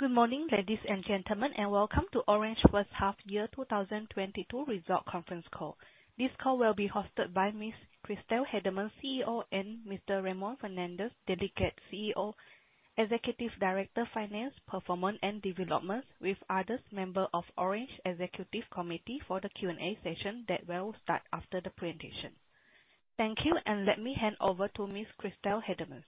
Good morning, ladies and gentlemen, and welcome to Orange first half-year 2022 results conference call. This call will be hosted by Miss Christel Heydemann, CEO, and Mr. Ramon Fernandez, Delegate CEO, Executive Director, Finance, Performance and Development, with other members of Orange Executive Committee for the Q&A session that will start after the presentation. Thank you, and let me hand over to Miss Christel Heydemann.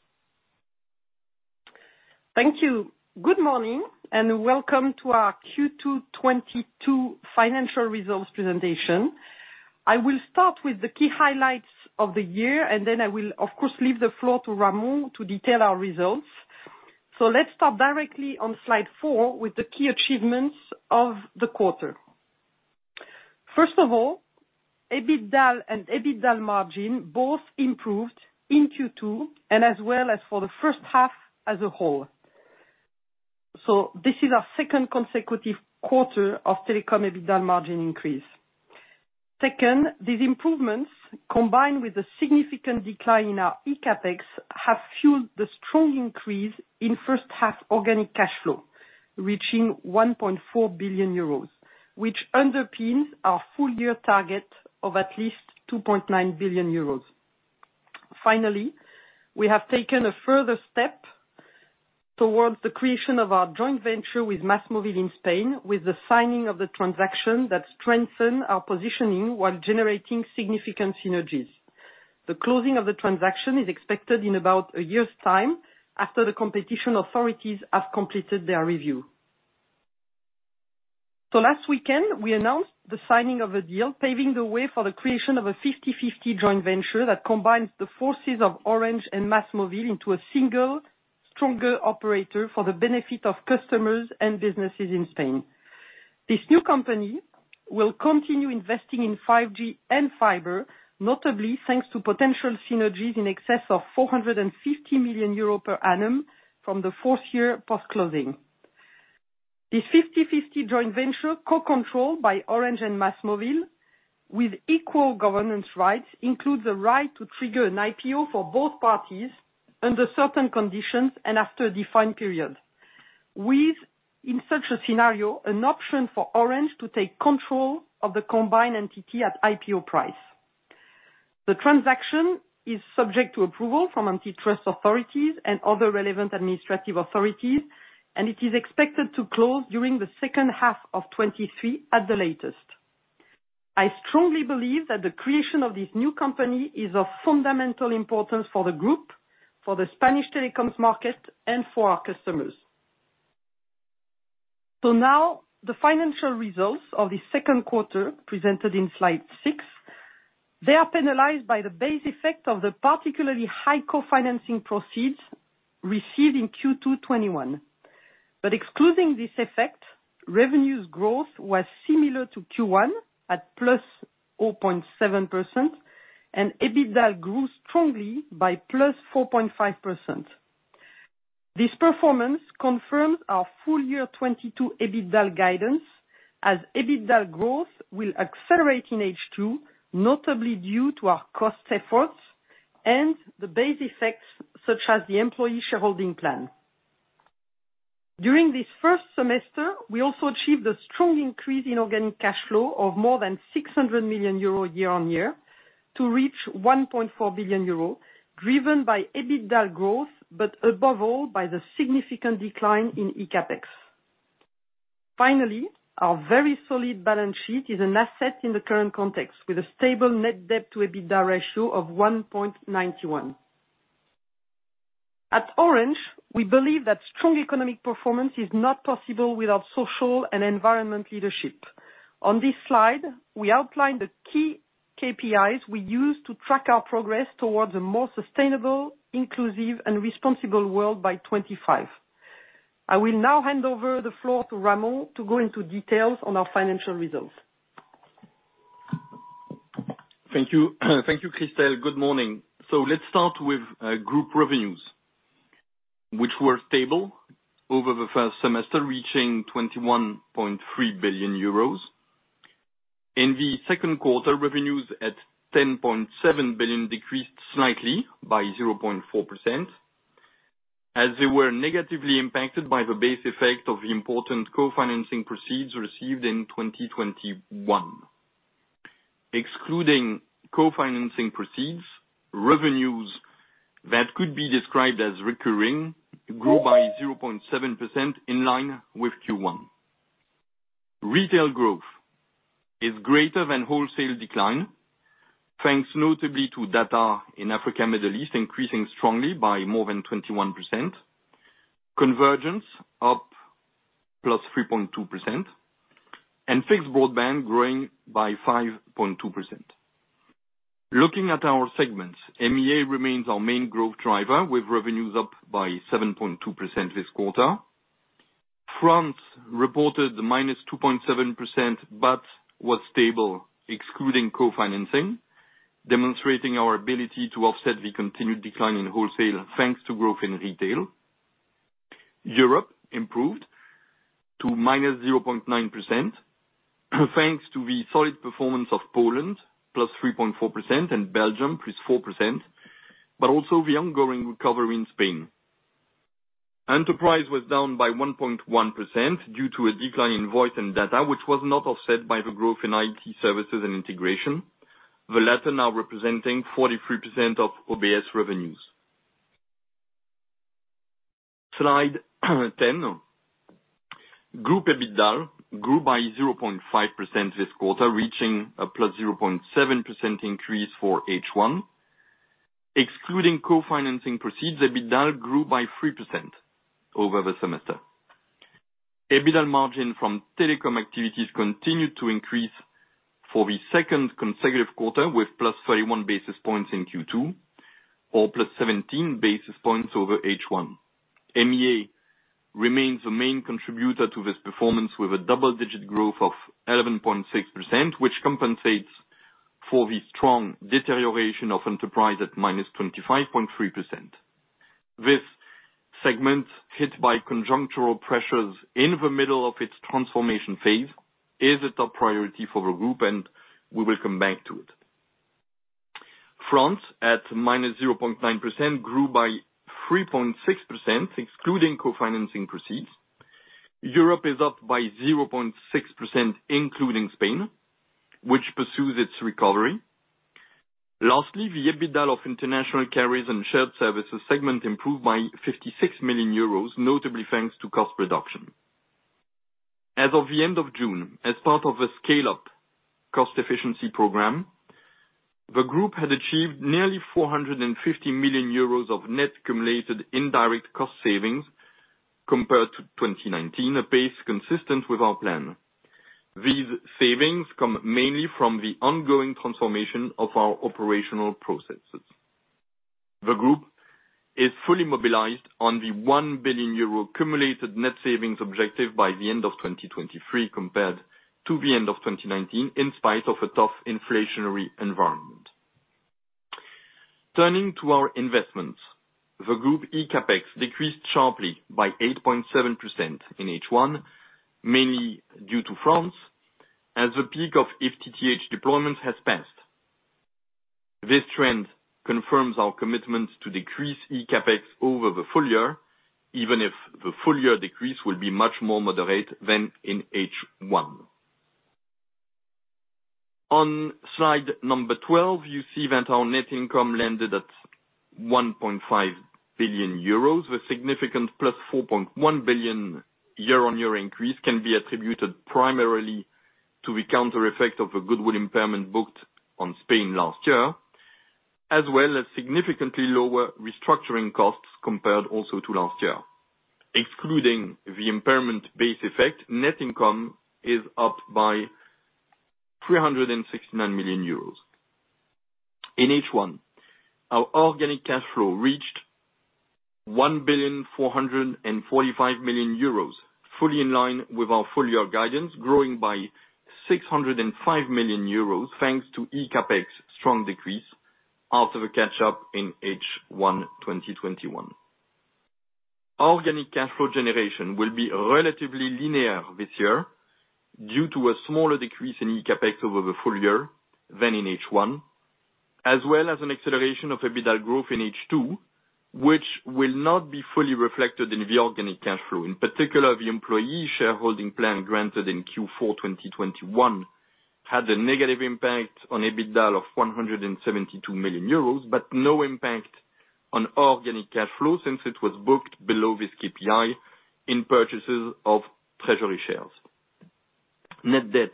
Thank you. Good morning, and welcome to our Q2 2022 financial results presentation. I will start with the key highlights of the year, and then I will, of course, leave the floor to Ramon to detail our results. Let's start directly on slide four with the key achievements of the quarter. First of all, EBITDA and EBITDA margin both improved in Q2 and as well as for the first half as a whole. This is our second consecutive quarter of telecom EBITDA margin increase. Second, these improvements, combined with a significant decline in our eCapEx, have fueled the strong increase in first half organic cash flow, reaching 1.4 billion euros, which underpins our full year target of at least 2.9 billion euros. Finally, we have taken a further step towards the creation of our joint venture with MASMOVIL in Spain, with the signing of the transaction that strengthen our positioning while generating significant synergies. The closing of the transaction is expected in about a year's time, after the competition authorities have completed their review. Last weekend, we announced the signing of a deal, paving the way for the creation of a 50/50 joint venture that combines the forces of Orange and MASMOVIL into a single, stronger operator for the benefit of customers and businesses in Spain. This new company will continue investing in 5G and fiber, notably thanks to potential synergies in excess of 450 million euro per annum from the fourth year post-closing. This 50/50 joint venture, co-controlled by Orange and MASMOVIL with equal governance rights, includes a right to trigger an IPO for both parties under certain conditions and after a defined period. With, in such a scenario, an option for Orange to take control of the combined entity at IPO price. The transaction is subject to approval from antitrust authorities and other relevant administrative authorities, and it is expected to close during the second half of 2023 at the latest. I strongly believe that the creation of this new company is of fundamental importance for the group, for the Spanish telecoms market, and for our customers. Now the financial results of the second quarter, presented in slide six. They are penalized by the base effect of the particularly high co-financing proceeds received in Q2 2021. Excluding this effect, revenue growth was similar to Q1 at +0.7%, and EBITDA grew strongly by +4.5%. This performance confirms our full year 2022 EBITDA guidance, as EBITDA growth will accelerate in H2, notably due to our cost efforts and the base effects such as the employee shareholding plan. During this first semester, we also achieved a strong increase in organic cash flow of more than 600 million euro year-on-year to reach 1.4 billion euro, driven by EBITDA growth, but above all by the significant decline in ECAPEX. Finally, our very solid balance sheet is an asset in the current context, with a stable net debt to EBITDA ratio of 1.91. At Orange, we believe that strong economic performance is not possible without social and environmental leadership. On this slide, we outline the key KPIs we use to track our progress towards a more sustainable, inclusive and responsible world by 2025. I will now hand over the floor to Ramon to go into details on our financial results. Thank you. Thank you, Christel. Good morning. Let's start with group revenues, which were stable over the first semester, reaching 21.3 billion euros. In the second quarter, revenues at 10.7 billion decreased slightly by 0.4% as they were negatively impacted by the base effect of important co-financing proceeds received in 2021. Excluding co-financing proceeds, revenues that could be described as recurring grew by 0.7% in line with Q1. Retail growth is greater than wholesale decline, thanks notably to data in Africa, Middle East, increasing strongly by more than 21%, convergence up +3.2%, and fixed broadband growing by 5.2%. Looking at our segments, EMEA remains our main growth driver, with revenues up by 7.2% this quarter. France reported -2.7%, but was stable, excluding co-financing, demonstrating our ability to offset the continued decline in wholesale, thanks to growth in retail. Europe improved to -0.9%, thanks to the solid performance of Poland, +3.4%, and Belgium +4%, but also the ongoing recovery in Spain. Enterprise was down by 1.1% due to a decline in voice and data, which was not offset by the growth in IT services and integration, the latter now representing 43% of OBS revenues. Slide 10. Group EBITDA grew by 0.5% this quarter, reaching a +0.7% increase for H1. Excluding co-financing proceeds, EBITDA grew by 3% over the semester. EBITDA margin from telecom activities continued to increase for the second consecutive quarter, with +31 basis points in Q2, or +17 basis points over H1. MEA remains the main contributor to this performance, with a double-digit growth of 11.6%, which compensates for the strong deterioration of enterprise at -25.3%. This segment, hit by conjuncture pressures in the middle of its transformation phase, is a top priority for the group, and we will come back to it. France, at -0.9%, grew by 3.6%, excluding co-financing proceeds. Europe is up by 0.6%, including Spain, which pursues its recovery. Lastly, the EBITDA of international carriers and shared services segment improved by 56 million euros, notably thanks to cost reduction. As of the end of June, as part of a scale-up cost efficiency program, the group had achieved nearly 450 million euros of net accumulated indirect cost savings compared to 2019, a pace consistent with our plan. These savings come mainly from the ongoing transformation of our operational processes. The group is fully mobilized on the 1 billion euro accumulated net savings objective by the end of 2023 compared to the end of 2019, in spite of a tough inflationary environment. Turning to our investments, the group ECAPEX decreased sharply by 8.7% in H1, mainly due to France, as the peak of FTTH deployment has passed. This trend confirms our commitment to decrease eCapEx over the full year, even if the full year decrease will be much more moderate than in H1. On slide number 12, you see that our net income landed at 1.5 billion euros. The significant +4.1 billion year-on-year increase can be attributed primarily to the counter effect of a goodwill impairment booked on Spain last year, as well as significantly lower restructuring costs compared also to last year. Excluding the impairment base effect, net income is up by 369 million euros. In H1, our organic cash flow reached 1.445 billion, fully in line with our full year guidance, growing by 605 million euros, thanks to eCapEx strong decrease out of a catch-up in H1 2021. Organic cash flow generation will be relatively linear this year due to a smaller decrease in CapEx over the full year than in H1, as well as an acceleration of EBITDA growth in H2, which will not be fully reflected in the organic cash flow. In particular, the employee shareholding plan granted in Q4 2021 had a negative impact on EBITDA of 172 million euros, but no impact on organic cash flow since it was booked below this KPI in purchases of treasury shares. Net debt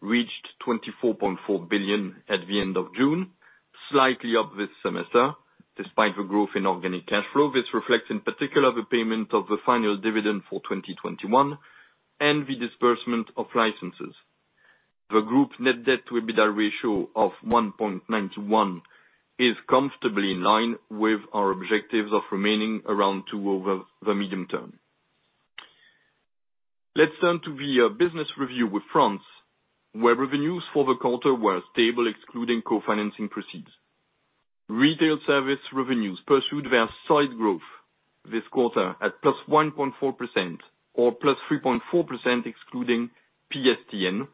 reached 24.4 billion at the end of June, slightly up this semester. Despite the growth in organic cash flow, this reflects in particular the payment of the final dividend for 2021 and the disbursement of licenses. The group net debt to EBITDA ratio of 1.9 to 1 is comfortably in line with our objectives of remaining around two over the medium term. Let's turn to the business review with France, where revenues for the quarter were stable, excluding co-financing proceeds. Retail service revenues pursued their solid growth this quarter at +1.4% or +3.4% excluding PSTN,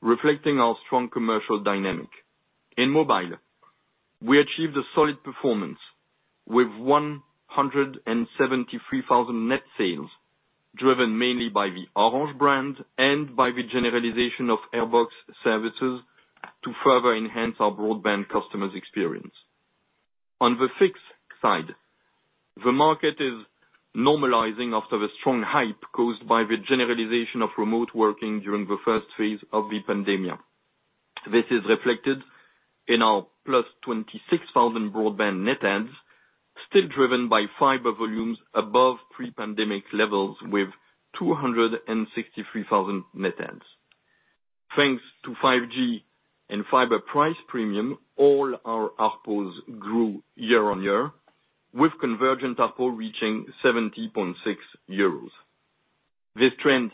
reflecting our strong commercial dynamic. In mobile, we achieved a solid performance with 173,000 net sales, driven mainly by the Orange brand and by the generalization of Airbox services to further enhance our broadband customers' experience. On the fixed side, the market is normalizing after the strong hype caused by the generalization of remote working during the first phase of the pandemic. This is reflected in our +26,000 broadband net adds, still driven by fiber volumes above pre-pandemic levels with 263,000 net adds. Thanks to 5G and fiber price premium, all our ARPUs grew year-on-year, with convergent ARPU reaching 70.6 euros. This trend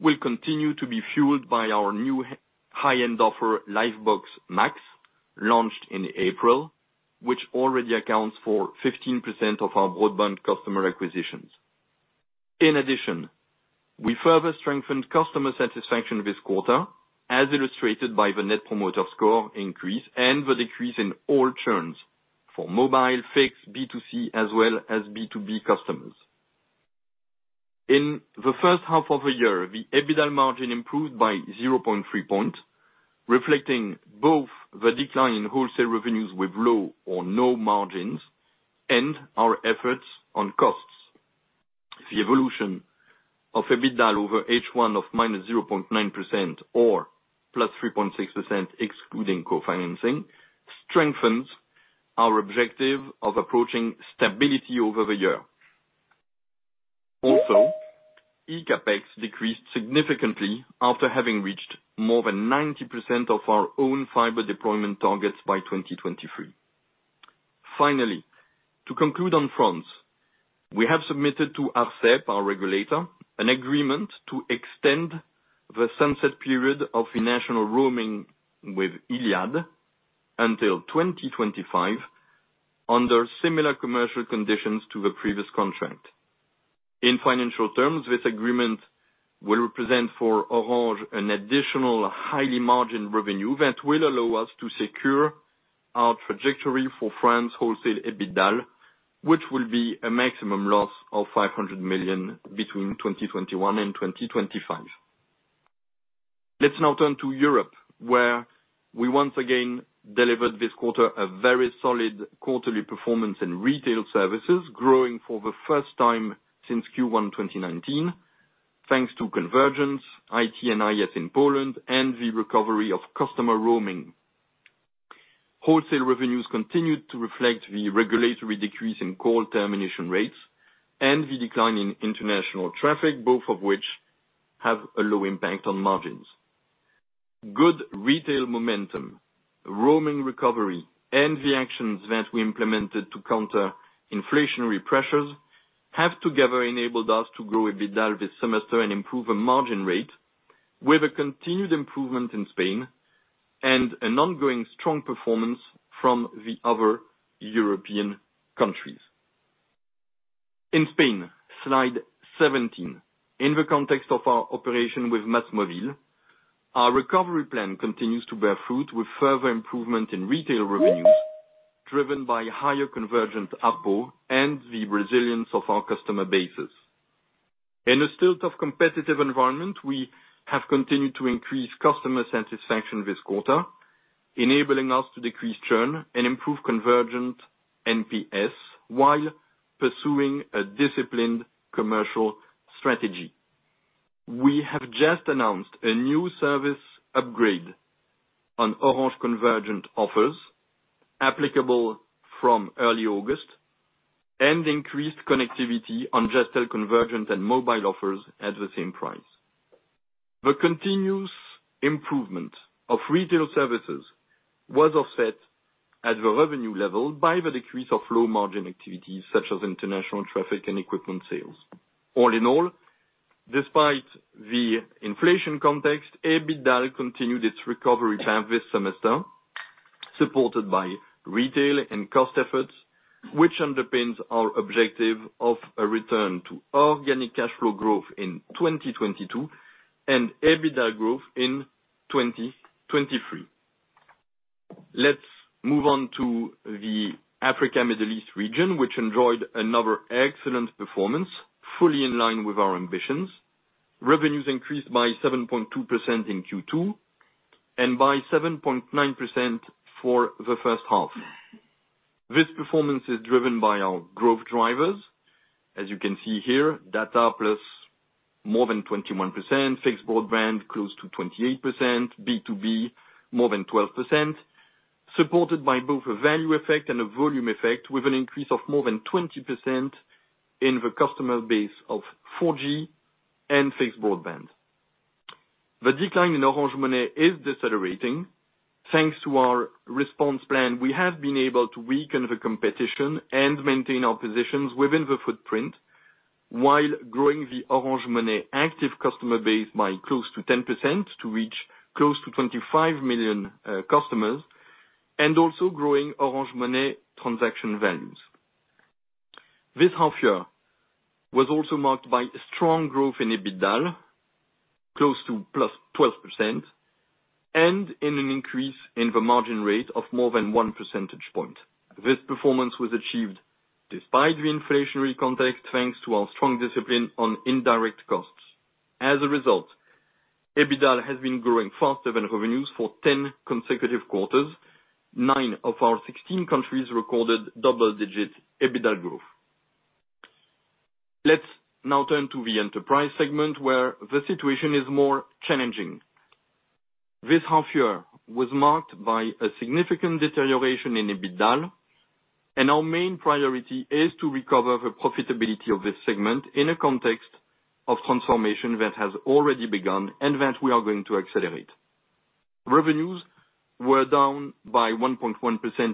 will continue to be fueled by our new high-end offer, Livebox Max, launched in April, which already accounts for 15% of our broadband customer acquisitions. In addition, we further strengthened customer satisfaction this quarter, as illustrated by the net promoter score increase and the decrease in all churns for mobile, fixed, B2C, as well as B2B customers. In the first half of the year, the EBITDA margin improved by 0.3 points, reflecting both the decline in wholesale revenues with low or no margins and our efforts on costs. The evolution of EBITDA over H1 of -0.9% or +3.6% excluding co-financing strengthens our objective of approaching stability over the year. Also eCapEx decreased significantly after having reached more than 90% of our own fiber deployment targets by 2023. Finally, to conclude on France, we have submitted to ARCEP, our regulator, an agreement to extend the sunset period of the national roaming with Iliad until 2025 under similar commercial conditions to the previous contract. In financial terms, this agreement will represent for Orange an additional highly margined revenue that will allow us to secure our trajectory for France wholesale EBITDA, which will be a maximum loss of 500 million between 2021 and 2025. Let's now turn to Europe, where we once again delivered this quarter a very solid quarterly performance in retail services, growing for the first time since Q1 2019, thanks to convergence, IT and IS in Poland and the recovery of customer roaming. Wholesale revenues continued to reflect the regulatory decrease in call termination rates and the decline in international traffic, both of which have a low impact on margins. Good retail momentum, roaming recovery, and the actions that we implemented to counter inflationary pressures have together enabled us to grow EBITDA this semester and improve the margin rate with a continued improvement in Spain and an ongoing strong performance from the other European countries. In Spain, slide 17. In the context of our operation with MASMOVIL, our recovery plan continues to bear fruit with further improvement in retail revenues driven by higher convergent ARPU and the resilience of our customer bases. In a still tough competitive environment, we have continued to increase customer satisfaction this quarter, enabling us to decrease churn and improve convergent NPS while pursuing a disciplined commercial strategy. We have just announced a new service upgrade on Orange convergent offers applicable from early August and increased connectivity on Jazztel convergent and mobile offers at the same price. The continuous improvement of retail services was offset at the revenue level by the decrease of low margin activities such as international traffic and equipment sales. All in all, despite the inflation context, EBITDA continued its recovery plan this semester, supported by retail and cost efforts, which underpins our objective of a return to organic cash flow growth in 2022 and EBITDA growth in 2023. Let's move on to the Africa Middle East region, which enjoyed another excellent performance, fully in line with our ambitions. Revenues increased by 7.2% in Q2 and by 7.9% for the first half. This performance is driven by our growth drivers. As you can see here, data plus more than 21%, fixed broadband close to 28%, B2B more than 12%, supported by both a value effect and a volume effect with an increase of more than 20% in the customer base of 4G and fixed broadband. The decline in Orange Money is decelerating. Thanks to our response plan, we have been able to weaken the competition and maintain our positions within the footprint, while growing the Orange Money active customer base by close to 10% to reach close to 25 million customers, and also growing Orange Money transaction values. This half year was also marked by a strong growth in EBITDA, close to +12%, and in an increase in the margin rate of more than one percentage point. This performance was achieved despite the inflationary context, thanks to our strong discipline on indirect costs. As a result, EBITDA has been growing faster than revenues for 10 consecutive quarters. Nine of our 16 countries recorded double-digit EBITDA growth. Let's now turn to the enterprise segment where the situation is more challenging. This half year was marked by a significant deterioration in EBITDA, and our main priority is to recover the profitability of this segment in a context of transformation that has already begun and that we are going to accelerate. Revenues were down by 1.1%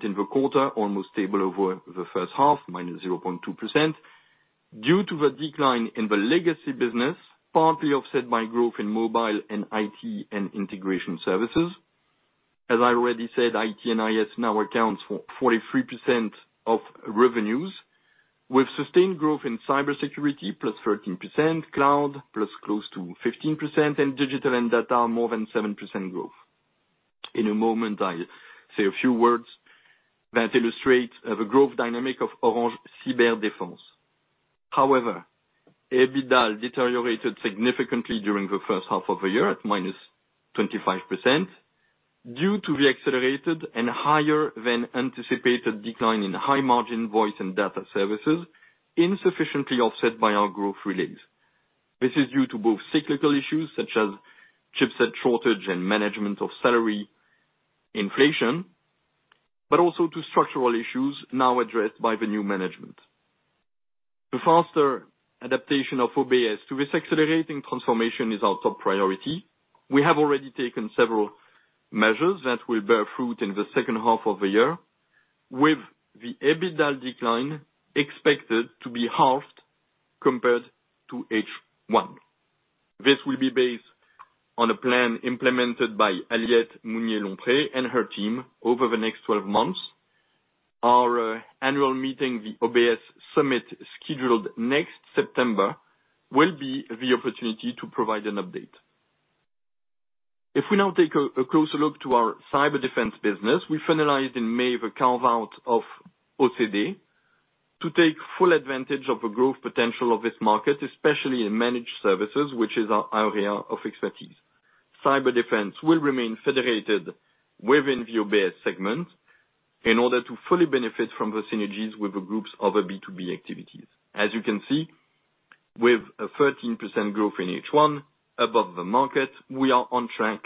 in the quarter, almost stable over the first half, -0.2%. Due to the decline in the legacy business, partly offset by growth in mobile and IT and integration services. As I already said, IT and IS now accounts for 43% of revenues with sustained growth in cybersecurity plus 13%, cloud plus close to 15%, and digital and data more than 7% growth. In a moment, I'll say a few words that illustrate the growth dynamic of Orange Cyberdefense. However, EBITDA deteriorated significantly during the first half of the year at -25% due to the accelerated and higher than anticipated decline in high margin voice and data services, insufficiently offset by our growth release. This is due to both cyclical issues such as chipset shortage and management of salary inflation, but also to structural issues now addressed by the new management. The faster adaptation of OBS to this accelerating transformation is our top priority. We have already taken several measures that will bear fruit in the second half of the year, with the EBITDA decline expected to be halved compared to H1. This will be based on a plan implemented by Aliette Mousnier-Lompré and her team over the next 12 months. Our annual meeting, the OBS Summit, scheduled next September, will be the opportunity to provide an update. If we now take a closer look at our Cyberdefense business, we finalized in May the carve-out of OCD to take full advantage of the growth potential of this market, especially in managed services, which is our area of expertise. Cyberdefense will remain federated within the OBS segment in order to fully benefit from the synergies with the group's other B2B activities. As you can see, with a 13% growth in H1 above the market, we are on track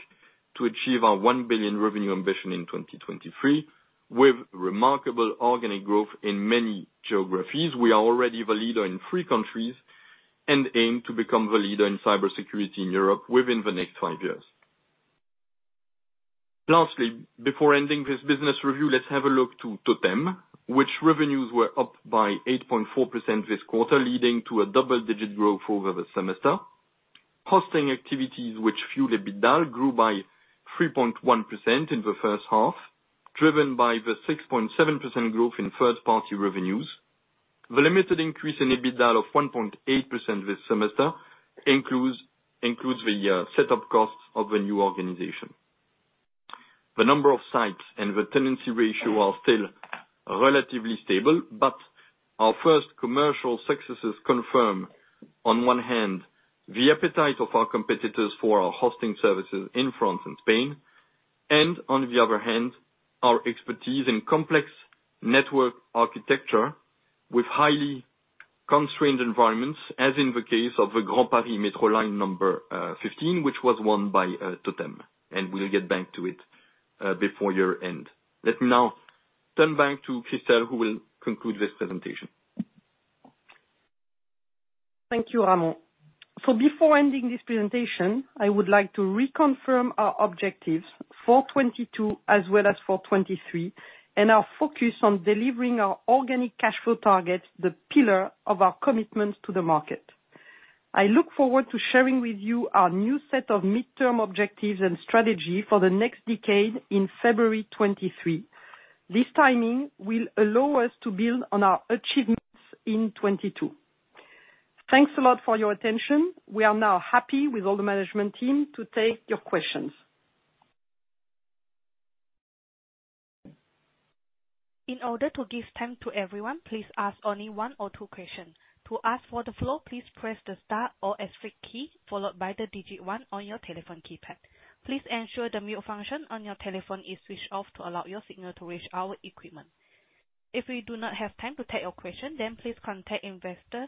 to achieve our 1 billion revenue ambition in 2023. With remarkable organic growth in many geographies, we are already the leader in three countries and aim to become the leader in cybersecurity in Europe within the next five years. Lastly, before ending this business review, let's have a look to TOTEM, which revenues were up by 8.4% this quarter, leading to a double-digit growth over the semester. Hosting activities which fuel EBITDA grew by 3.1% in the first half, driven by the 6.7% growth in third-party revenues. The limited increase in EBITDA of 1.8% this semester includes the set up costs of the new organization. The number of sites and the tenancy ratio are still relatively stable, but our first commercial successes confirm, on one hand, the appetite of our competitors for our hosting services in France and Spain, and on the other hand, our expertise in complex network architecture with highly constrained environments, as in the case of the Grand Paris Metro line number 15, which was won by TOTEM, and we'll get back to it before year end. Let me now turn back to Christel, who will conclude this presentation. Thank you, Ramon. Before ending this presentation, I would like to reconfirm our objectives for 2022 as well as for 2023, and our focus on delivering our organic cash flow targets, the pillar of our commitments to the market. I look forward to sharing with you our new set of midterm objectives and strategy for the next decade in February 2023. This timing will allow us to build on our achievements in 2022. Thanks a lot for your attention. We are now happy with all the management team to take your questions. In order to give time to everyone, please ask only one or two questions. To ask for the floor, please press the star or asterisk key, followed by the digit one on your telephone keypad. Please ensure the mute function on your telephone is switched off to allow your signal to reach our equipment. If we do not have time to take your question, then please contact investor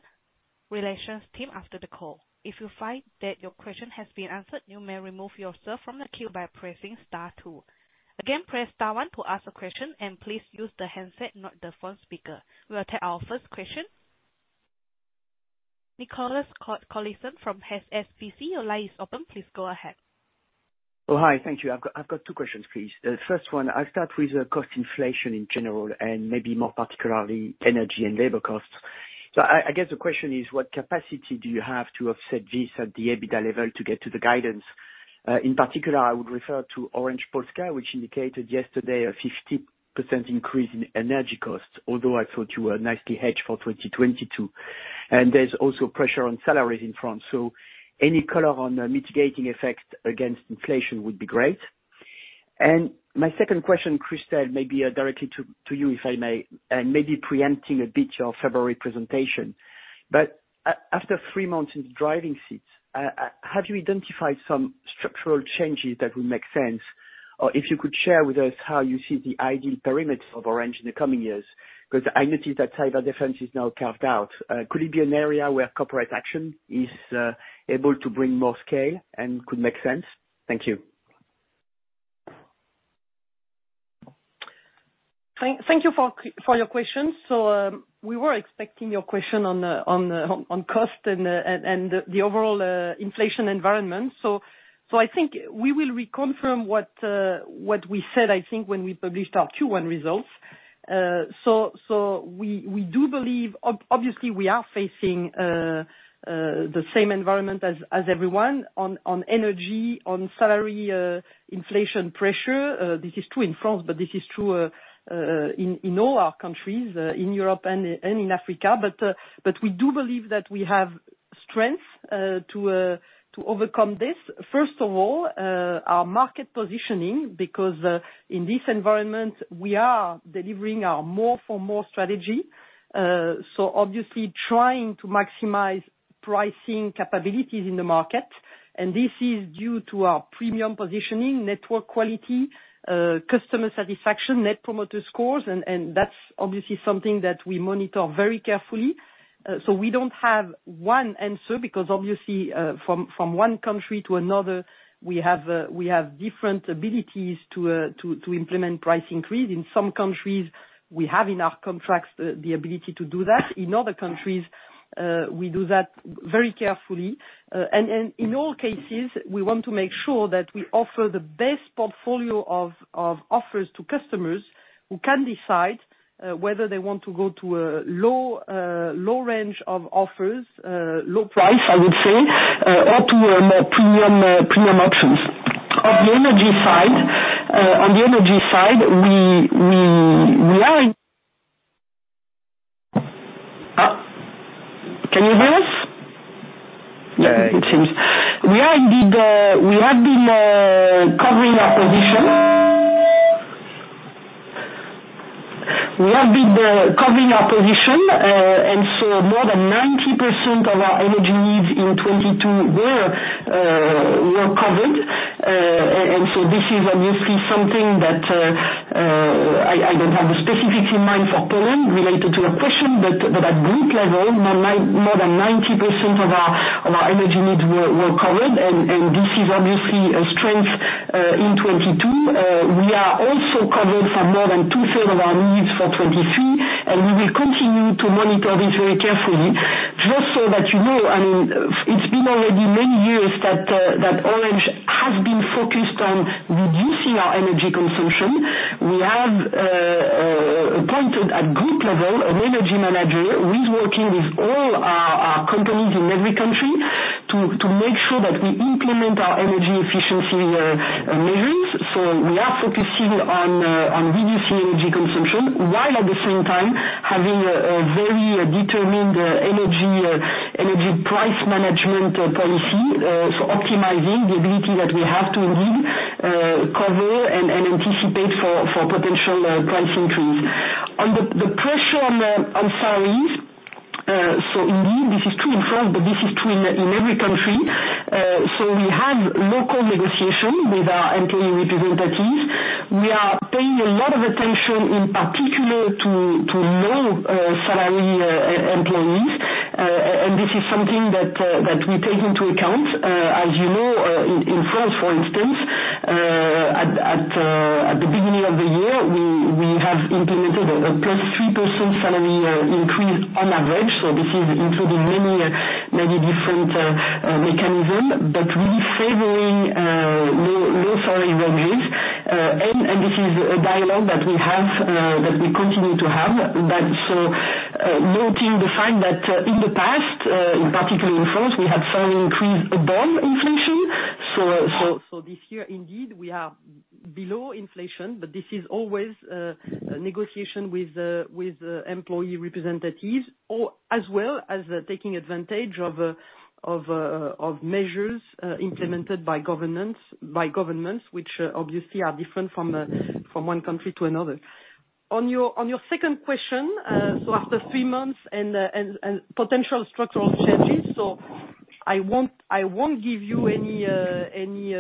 relations team after the call. If you find that your question has been answered, you may remove yourself from the queue by pressing star two. Again, press star one to ask a question, and please use the handset, not the phone speaker. We'll take our first question. Nicolas Cote-Colisson from HSBC, your line is open. Please go ahead. Oh, hi. Thank you. I've got two questions, please. The first one, I'll start with the cost inflation in general, and maybe more particularly energy and labor costs. I guess the question is what capacity do you have to offset this at the EBITDA level to get to the guidance? In particular, I would refer to Orange Polska, which indicated yesterday a 50% increase in energy costs, although I thought you were nicely hedged for 2022. There's also pressure on salaries in France. Any color on the mitigating effects against inflation would be great. My second question, Christel, maybe directly to you, if I may, and maybe preempting a bit your February presentation. After three months in the driving seat, have you identified some structural changes that would make sense? If you could share with us how you see the ideal perimeter of Orange in the coming years. 'Cause I notice that cyber defense is now carved out. Could it be an area where corporate action is able to bring more scale and could make sense? Thank you. Thank you for your questions. We were expecting your question on the cost and the overall inflation environment. I think we will reconfirm what we said, I think, when we published our 2021 results. We do believe obviously we are facing the same environment as everyone on energy, on salary inflation pressure. This is true in France, but this is true in all our countries in Europe and in Africa. We do believe that we have strength to overcome this. First of all, our market positioning, because in this environment, we are delivering our more for more strategy. Obviously trying to maximize pricing capabilities in the market, and this is due to our premium positioning, network quality, customer satisfaction, net promoter scores, and that's obviously something that we monitor very carefully. We don't have one answer because obviously, from one country to another, we have different abilities to implement price increase. In some countries, we have in our contracts the ability to do that. In other countries, we do that very carefully. In all cases, we want to make sure that we offer the best portfolio of offers to customers who can decide whether they want to go to a low range of offers, low price, I would say, or to a more premium options. On the energy side, we are. Can you hear us? Yeah, it seems. We have been covering our position, and so more than 90% of our energy needs in 2022 were covered. This is obviously something that I don't have the specifics in mind for Poland related to your question. At group level, more than 90% of our energy needs were covered, and this is obviously a strength in 2022. We are also covered for more than two-thirds of our needs for 2023, and we will continue to monitor this very carefully. Just so that you know, I mean, it's been already many years that Orange has been focused on reducing our energy consumption. We have appointed at group level an energy manager who is working with all our companies in every country to make sure that we implement our energy efficiency measures. We are focusing on reducing energy consumption, while at the same time having a very determined energy price management policy. Optimizing the ability that we have to indeed cover and anticipate for potential price increase. On the pressure on salaries, indeed, this is true in France, but this is true in every country. We have local negotiation with our employee representatives. We are paying a lot of attention in particular to low salary employees. This is something that we take into account. As you know, in France, for instance, at the beginning of the year, we have implemented a plus 3% salary increase on average. This is including many different mechanisms, but really favoring low salary ranges. This is a dialogue that we continue to have. Noting the fact that in the past, particularly in France, we had salary increase above inflation. This year, indeed, we are below inflation, but this is always negotiation with employee representatives, as well as taking advantage of measures implemented by governments, which obviously are different from one country to another. On your second question, after three months and potential structural changes, I won't give you any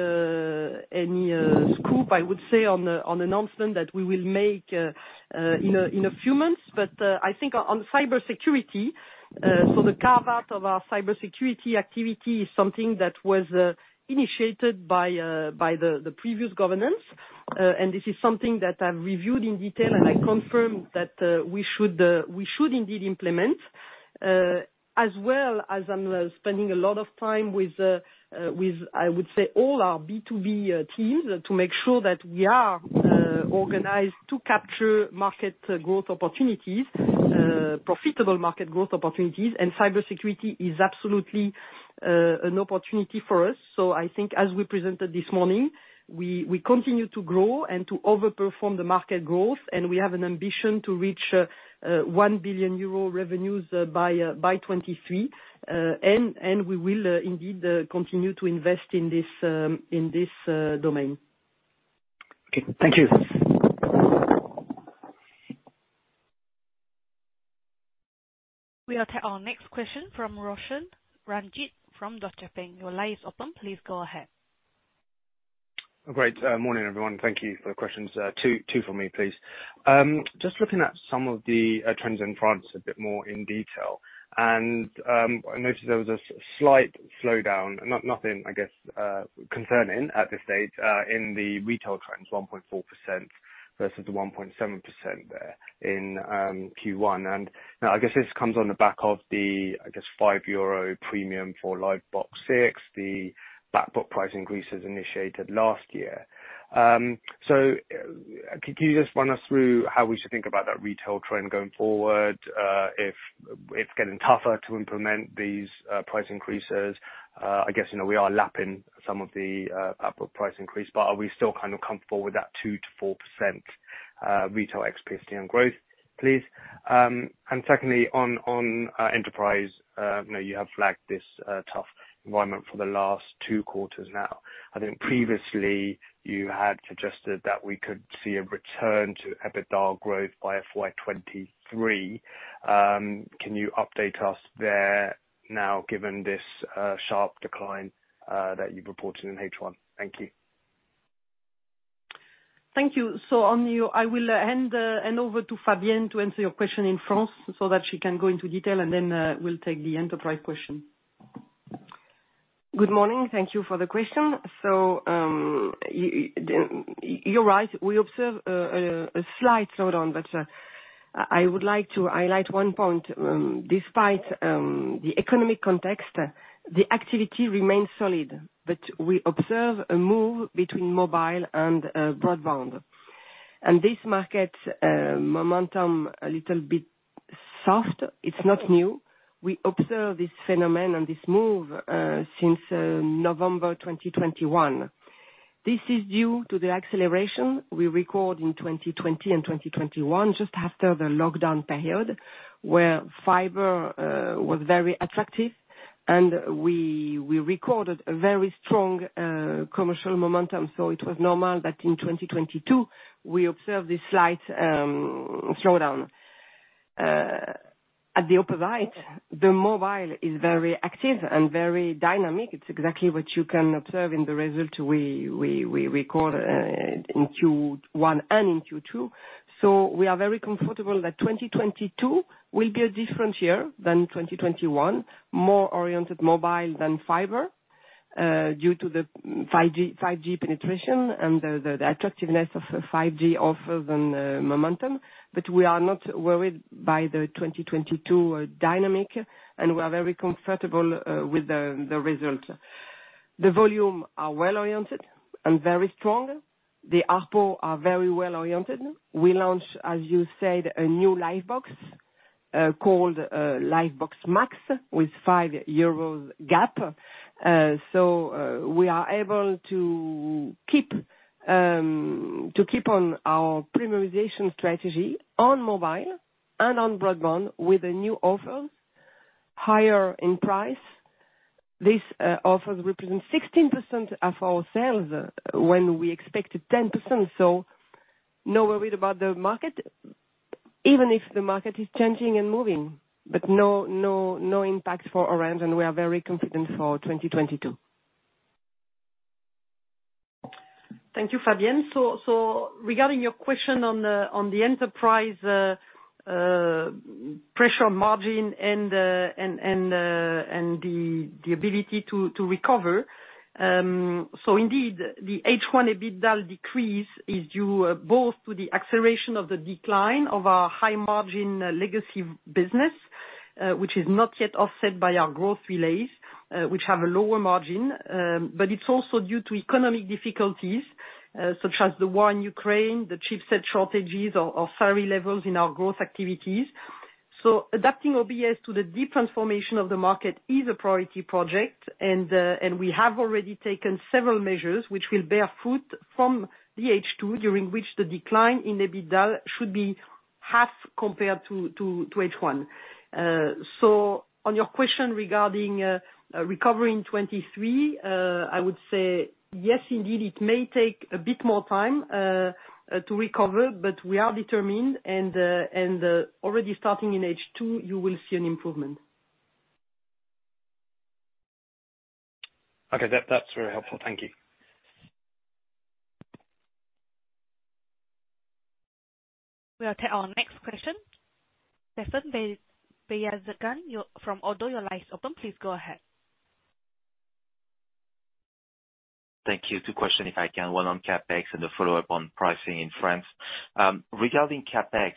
scoop, I would say, on announcement that we will make in a few months. I think on cybersecurity, the carve-out of our cybersecurity activity is something that was initiated by the previous governance. This is something that I've reviewed in detail, and I confirm that we should indeed implement. As well as I'm spending a lot of time with, I would say, all our B2B teams to make sure that we are organized to capture market growth opportunities, profitable market growth opportunities. Cybersecurity is absolutely an opportunity for us. I think as we presented this morning, we continue to grow and to overperform the market growth, and we have an ambition to reach 1 billion euro revenues by 2023. We will indeed continue to invest in this domain. Okay. Thank you. We'll take our next question from Roshan Ranjit, from Deutsche Bank. Your line is open. Please go ahead. Great. Morning, everyone. Thank you for the questions. Two for me, please. Just looking at some of the trends in France a bit more in detail, I noticed there was a slight slowdown. Nothing, I guess, concerning at this stage in the retail trends, 1.4% versus the 1.7% there in Q1. Now I guess this comes on the back of the, I guess, 5 euro premium for Livebox 6, the back book price increases initiated last year. Could you just run us through how we should think about that retail trend going forward, if it's getting tougher to implement these price increases? I guess, you know, we are lapping some of the output price increase, but are we still kind of comfortable with that 2%-4% retail ex PSTN growth, please? Secondly, on Enterprise, I know you have flagged this tough environment for the last two quarters now. I think previously you had suggested that we could see a return to EBITDA growth by FY 2023. Can you update us there now, given this sharp decline that you've reported in H1? Thank you. Thank you. Now I will hand over to Fabienne to answer your question in France so that she can go into detail, and then we'll take the enterprise question. Good morning. Thank you for the question. You're right, we observe a slight slowdown. I would like to highlight one point. Despite the economic context, the activity remains solid. We observe a move between mobile and broadband. This market momentum a little bit soft. It's not new. We observe this phenomenon, this move, since November 2021. This is due to the acceleration we record in 2020 and 2021, just after the lockdown period, where fiber was very attractive and we recorded a very strong commercial momentum. It was normal that in 2022 we observed this slight slowdown. At the upper right, the mobile is very active and very dynamic. It's exactly what you can observe in the result we record in Q1 and in Q2. We are very comfortable that 2022 will be a different year than 2021. More oriented mobile than fiber due to the 5G penetration and the attractiveness of 5G offers and momentum. We are not worried by the 2022 dynamic, and we are very comfortable with the result. The volume are well oriented and very strong. The ARPU are very well oriented. We launched, as you said, a new Livebox called Livebox Max with 5 euros gap. We are able to keep to keep on our premiumization strategy on mobile and on broadband with the new offers, higher in price. This offers represent 16% of our sales when we expected 10%, so no worry about the market, even if the market is changing and moving. No impact for Orange, and we are very confident for 2022. Thank you, Fabienne. Regarding your question on the Enterprise pressure margin and the ability to recover. Indeed, the H1 EBITDA decrease is due both to the acceleration of the decline of our high-margin legacy business, which is not yet offset by our growth relays, which have a lower margin. It's also due to economic difficulties such as the war in Ukraine, the chipset shortages or varying levels in our growth activities. Adapting OBS to the deep transformation of the market is a priority project. We have already taken several measures which will bear fruit from the H2, during which the decline in EBITDA should be half compared to H1. On your question regarding recovery in 2023, I would say yes, indeed, it may take a bit more time to recover, but we are determined and already starting in H2 you will see an improvement. Okay. That, that's very helpful. Thank you. We'll take our next question. Stéphane Beyazian, you from Oddo BHF, your line's open. Please go ahead. Thank you. Two questions if I can. One on CapEx and a follow-up on pricing in France. Regarding CapEx,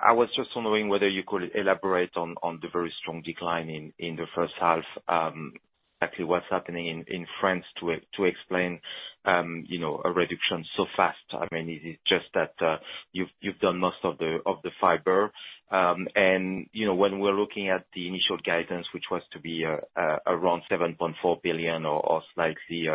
I was just wondering whether you could elaborate on the very strong decline in the first half. Actually, what's happening in France to explain a reduction so fast? I mean, is it just that you've done most of the fiber? You know, when we're looking at the initial guidance, which was to be around 7.4 billion or slightly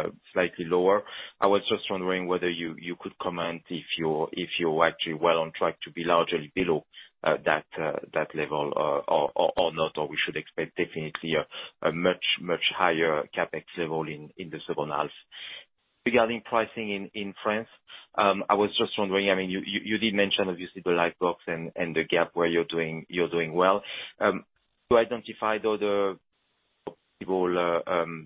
lower, I was just wondering whether you could comment if you're actually well on track to be largely below that level or not, or we should expect definitely a much higher CapEx level in the second half. Regarding pricing in France, I was just wondering, I mean, you did mention obviously the Livebox and the gap where you're doing well. You identified other potential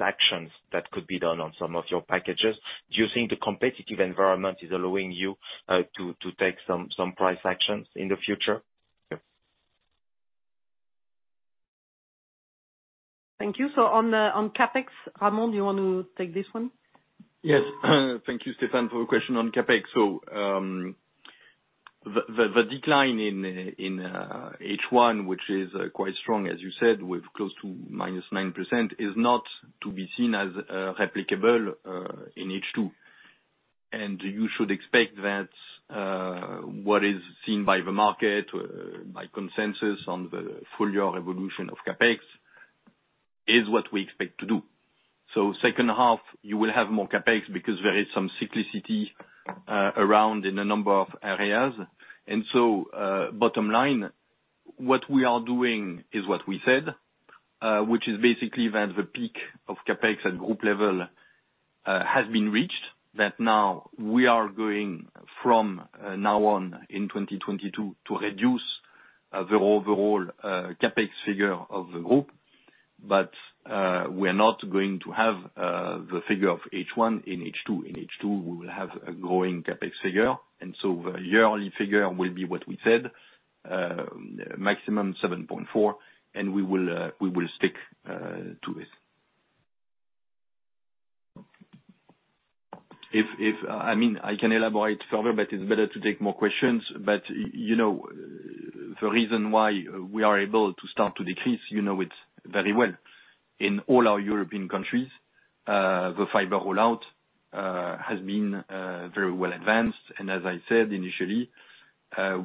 actions that could be done on some of your packages. Do you think the competitive environment is allowing you to take some price actions in the future? Thank you. On CapEx, Ramon, do you want to take this one? Yes. Thank you, Stéphane, for your question on CapEx. The decline in H1, which is quite strong, as you said, with close to -9% is not to be seen as replicable in H2. You should expect that what is seen by the market by consensus on the full year evolution of CapEx is what we expect to do. Second half you will have more CapEx because there is some cyclicality around in a number of areas. Bottom line, what we are doing is what we said, which is basically that the peak of CapEx at group level has been reached. That now we are going from now on in 2022 to reduce the overall CapEx figure of the group. We're not going to have the figure of H1 and H2. In H2, we will have a growing CapEx figure, and so the yearly figure will be what we said, maximum 7.4. We will stick to this. I mean, I can elaborate further, but it's better to take more questions. You know, the reason why we are able to start to decrease, you know it very well. In all our European countries, the fiber rollout has been very well advanced. As I said initially,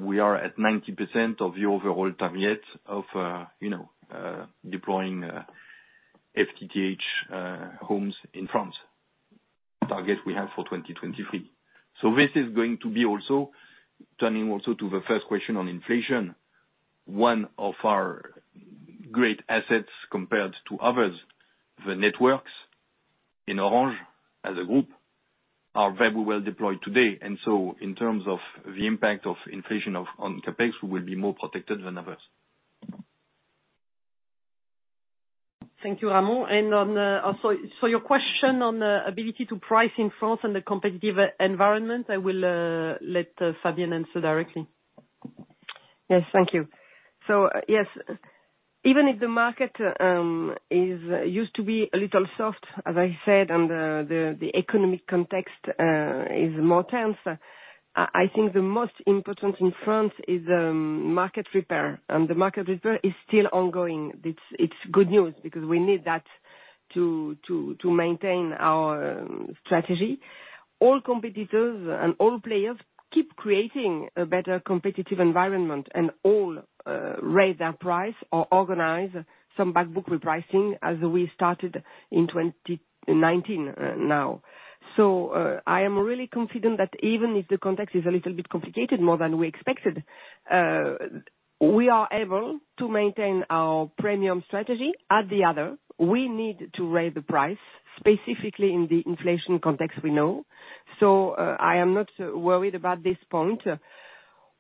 we are at 90% of the overall target of deploying FTTH homes in France, target we have for 2023. This is going to be also turning to the first question on inflation. One of our great assets compared to others, the networks in Orange as a group are very well deployed today. In terms of the impact of inflation on CapEx, we will be more protected than others. Thank you, Ramon. Your question on the ability to price in France and the competitive environment, I will let Fabienne answer directly. Yes, thank you. Yes, even if the market used to be a little soft, as I said, and the economic context is more tense, I think the most important in France is market repair. The market repair is still ongoing. It's good news because we need that to maintain our strategy. All competitors and all players keep creating a better competitive environment, and all raise their price or organize some back book repricing as we started in 2019 now. I am really confident that even if the context is a little bit complicated, more than we expected, we are able to maintain our premium strategy. At the other, we need to raise the price specifically in the inflation context we know. I am not worried about this point.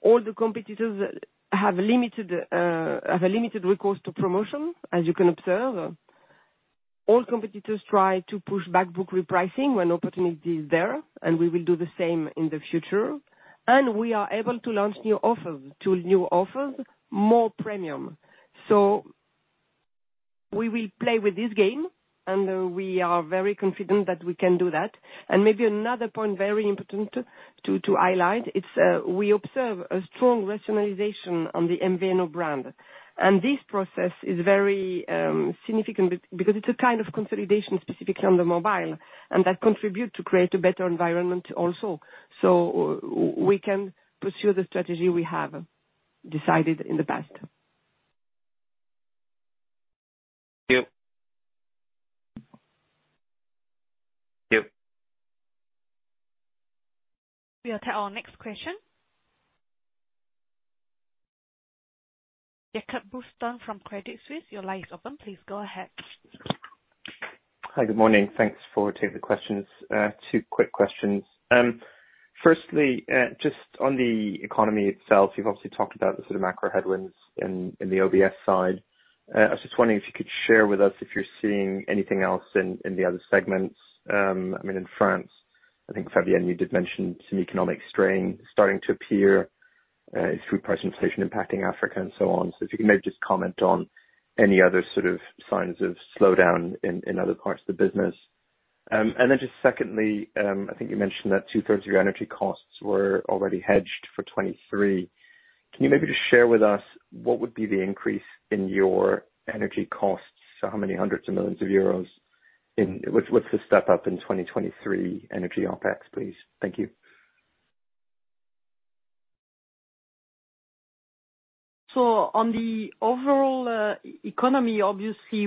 All the competitors have a limited recourse to promotion, as you can observe. All competitors try to push back book repricing when opportunity is there, and we will do the same in the future. We are able to launch new offers, two new offers, more premium. We will play with this game, and we are very confident that we can do that. Maybe another point very important to highlight, we observe a strong rationalization on the MVNO brand. This process is very significant because it's a kind of consolidation specifically on the mobile, and that contribute to create a better environment also. We can pursue the strategy we have decided in the past. Thank you. Thank you. We'll take our next question. Jakob Bluestone from Credit Suisse, your line is open. Please go ahead. Hi. Good morning. Thanks for taking the questions. Two quick questions. First, just on the economy itself, you've obviously talked about the sort of macro headwinds in the OBS side. I was just wondering if you could share with us if you're seeing anything else in the other segments. I mean, in France, I think, Fabienne, you did mention some economic strain starting to appear through price inflation impacting Africa and so on. If you can maybe just comment on any other sort of signs of slowdown in other parts of the business. Then, just second, I think you mentioned that two-thirds of your energy costs were already hedged for 2023. Can you maybe just share with us what would be the increase in your energy costs? What's the step up in 2023 energy OpEx, please? Thank you. On the overall economy, obviously,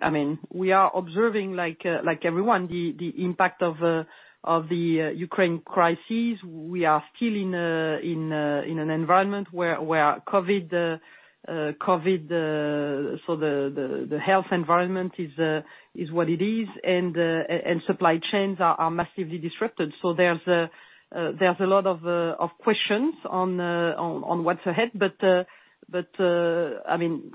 I mean, we are observing, like everyone, the impact of the Ukraine crisis. We are still in an environment where our COVID COVID, the health environment is what it is. Supply chains are massively disrupted. There's a lot of questions on what's ahead. I mean,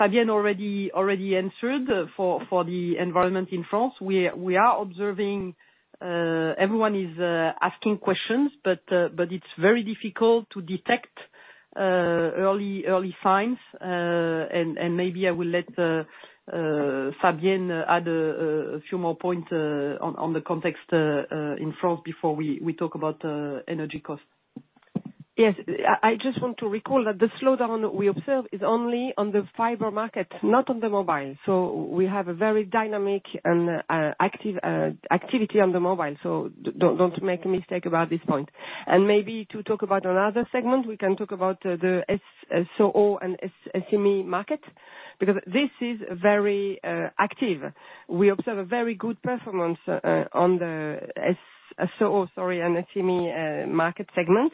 Fabienne already answered for the environment in France. We are observing, everyone is asking questions, but it's very difficult to detect early signs. Maybe I will let Fabienne add a few more points on the context in France before we talk about energy costs. Yes. I just want to recall that the slowdown we observe is only on the fiber market, not on the mobile. We have a very dynamic and active activity on the mobile. Don't make a mistake about this point. Maybe to talk about another segment, we can talk about the SOHO and SME market, because this is very active. We observe a very good performance on the SOHO and SME market segment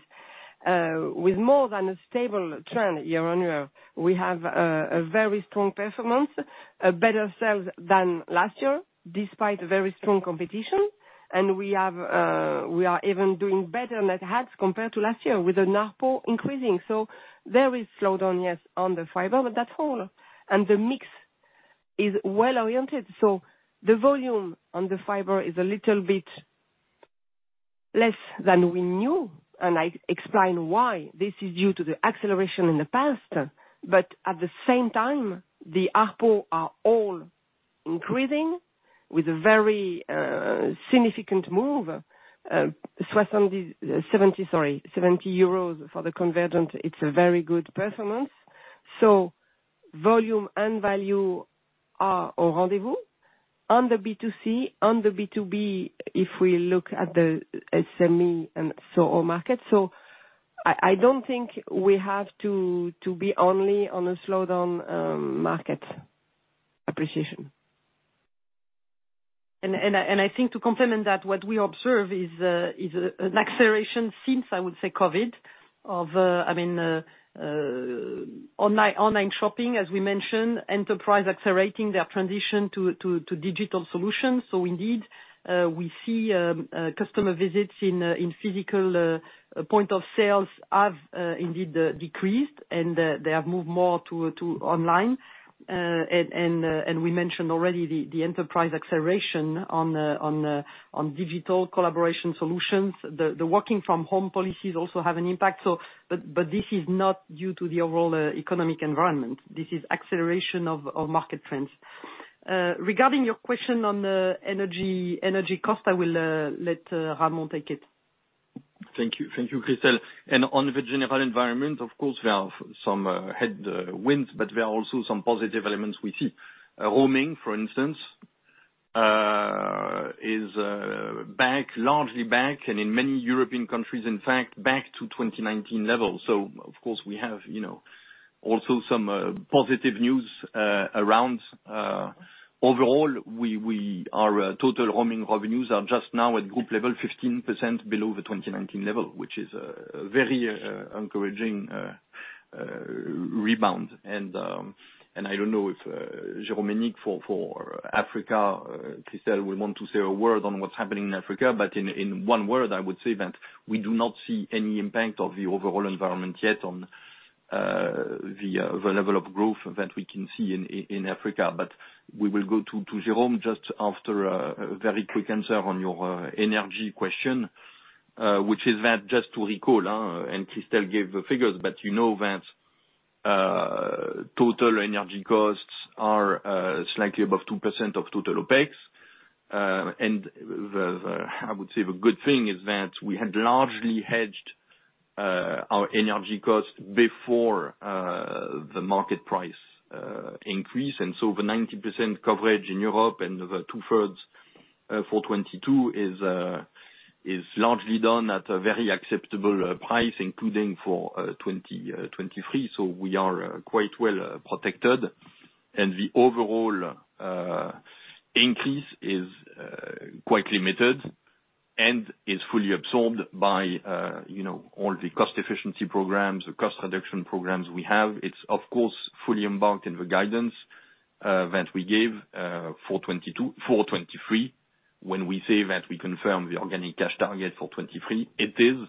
with more than a stable trend year-on-year. We have a very strong performance, better sales than last year, despite very strong competition. We are even doing better net adds compared to last year with the ARPU increasing. There is slowdown, yes, on the fiber, but that's all. The mix is well oriented. The volume on the fiber is a little bit less than we knew, and I explain why. This is due to the acceleration in the past. But at the same time, the ARPU are all increasing with a very significant move. 70 for the convergent, it's a very good performance. Volume and value are au rendez-vous on the B2C, on the B2B, if we look at the SME and SOHO market. I don't think we have to be only on a slowdown, market appreciation. I think to complement that, what we observe is an acceleration since, I would say, COVID of, I mean, online shopping, as we mentioned, enterprise accelerating their transition to digital solutions. We see customer visits in physical point of sales have indeed decreased and they have moved more to online. We mentioned already the enterprise acceleration on digital collaboration solutions. The working from home policies also have an impact. This is not due to the overall economic environment. This is acceleration of market trends. Regarding your question on energy cost, I will let Ramon take it. Thank you. Thank you, Christel. On the general environment, of course, there are some headwinds, but there are also some positive elements we see. Roaming, for instance, is back, largely back, and in many European countries, in fact, back to 2019 levels. Of course we have, you know, also some positive news around. Overall, we our total roaming revenues are just now at group level 15% below the 2019 level, which is a very encouraging rebound. I don't know if Jérôme or Monique for Africa, Christel will want to say a word on what's happening in Africa. In one word, I would say that we do not see any impact of the overall environment yet on the level of growth that we can see in Africa. We will go to Jérôme just after a very quick answer on your energy question, which is that just to recall, and Christel gave the figures, but you know that total energy costs are slightly above 2% of total OpEx. I would say the good thing is that we had largely hedged our energy cost before the market price increased. The 90% coverage in Europe and the two-thirds for 2022 is largely done at a very acceptable price, including for 2023. We are quite well protected. The overall increase is quite limited and is fully absorbed by, you know, all the cost efficiency programs, the cost reduction programs we have. It's of course fully embedded in the guidance that we gave for 2022, for 2023. When we say that we confirm the organic cash target for 2023, it is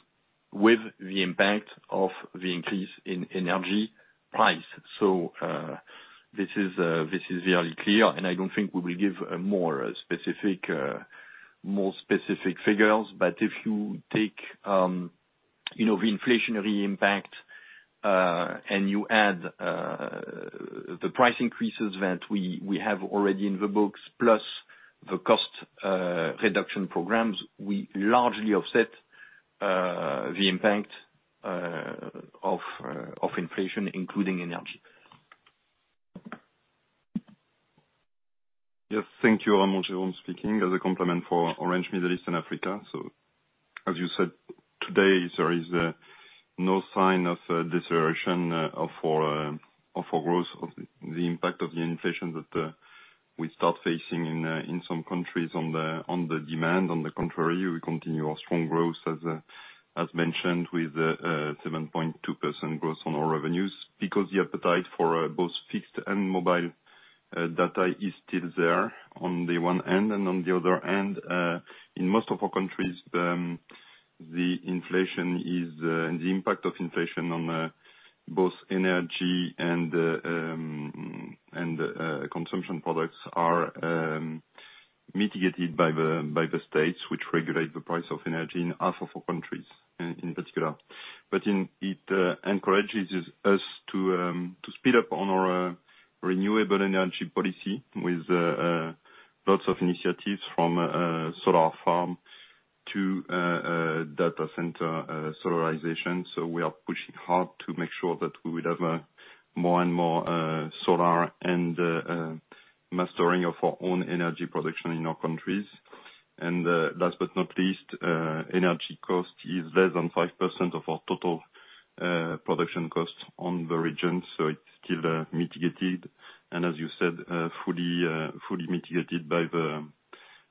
with the impact of the increase in energy price. This is really clear, and I don't think we will give more specific figures. But if you take, you know, the inflationary impact and you add the price increases that we have already in the books plus the cost reduction programs, we largely offset the impact of inflation, including energy. Yes. Thank you, Ramon. Jérôme Hénique speaking. As a complement for Orange Middle East and Africa. As you said today, there is no sign of a deterioration of our growth of the impact of the inflation that we start facing in some countries on the demand. On the contrary, we continue our strong growth as mentioned, with 7.2% growth on our revenues, because the appetite for both fixed and mobile data is still there on the one end. On the other end, in most of our countries, the impact of inflation on both energy and consumption products are mitigated by the states which regulate the price of energy in half of our countries in particular. In it encourages us to speed up on our renewable energy policy with lots of initiatives from solar farm to data center solarization. We are pushing hard to make sure that we will have more and more solar and mastering of our own energy production in our countries. Last but not least, energy cost is less than 5% of our total production costs in the region. It's still mitigated and as you said, fully mitigated by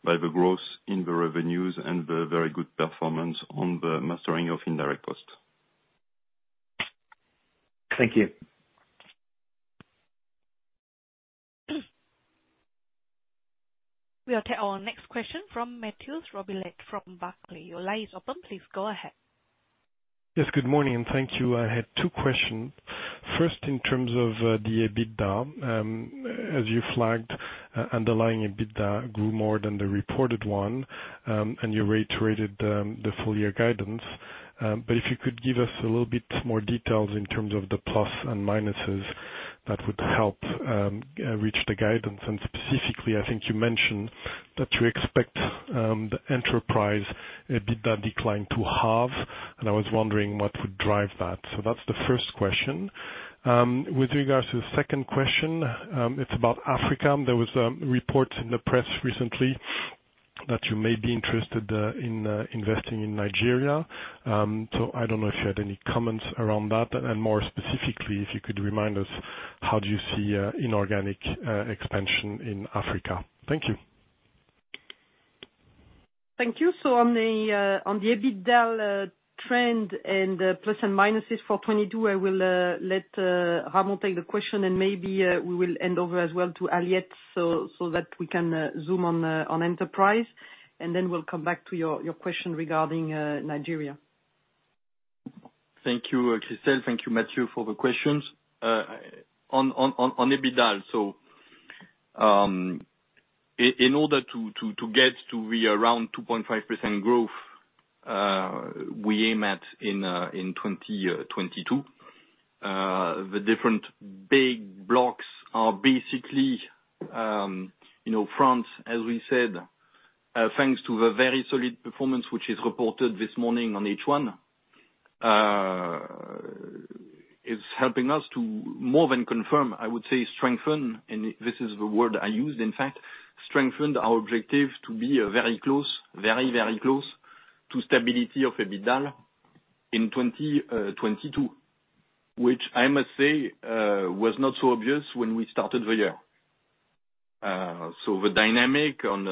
the growth in the revenues and the very good performance on the mastering of indirect costs. Thank you. We'll take our next question from Mathieu Robilliard from Barclays. Your line is open. Please go ahead. Yes, good morning, and thank you. I had two questions. First, in terms of the EBITDA, as you flagged underlying EBITDA grew more than the reported one, and you reiterated the full year guidance. If you could give us a little bit more details in terms of the plus and minuses that would help reach the guidance. Specifically, I think you mentioned that you expect the enterprise EBITDA decline to halve, and I was wondering what would drive that. That's the first question. With regards to the second question, it's about Africa. There were reports in the press recently that you may be interested in investing in Nigeria. I don't know if you had any comments around that and more specifically, if you could remind us how do you see inorganic expansion in Africa? Thank you. Thank you. On the EBITDA trend and pluses and minuses for 2022, I will let Ramon take the question and maybe we will hand over as well to Aliette. That we can zoom on Enterprise and then we'll come back to your question regarding Nigeria. Thank you, Christel. Thank you, Mathieu for the questions. On EBITDA. In order to get to be around 2.5% growth, we aim at in 2022. The different big blocks are basically, you know, France, as we said, thanks to the very solid performance which is reported this morning on H1, is helping us to more than confirm, I would say strengthen, and this is the word I used, in fact, strengthen our objective to be very close, very, very close to stability of EBITDA in 2022. Which I must say, was not so obvious when we started the year. The dynamic on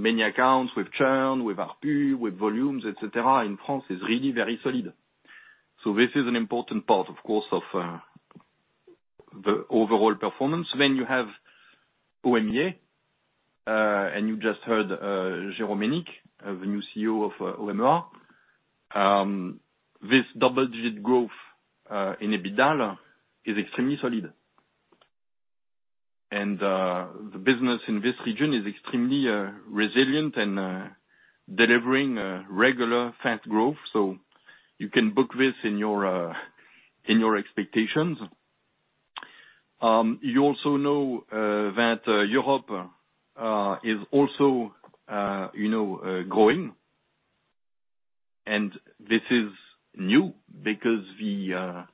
many accounts with Churn, with ARPU, with volumes, et cetera, in France is really very solid. This is an important part, of course, of the overall performance. You have OMEA, and you just heard Jérôme Hénique, the new CEO of OMEA. This double-digit growth in EBITDA is extremely solid. The business in this region is extremely resilient and delivering regular fast growth. You can book this in your expectations. You also know that Europe is also you know growing. This is new because the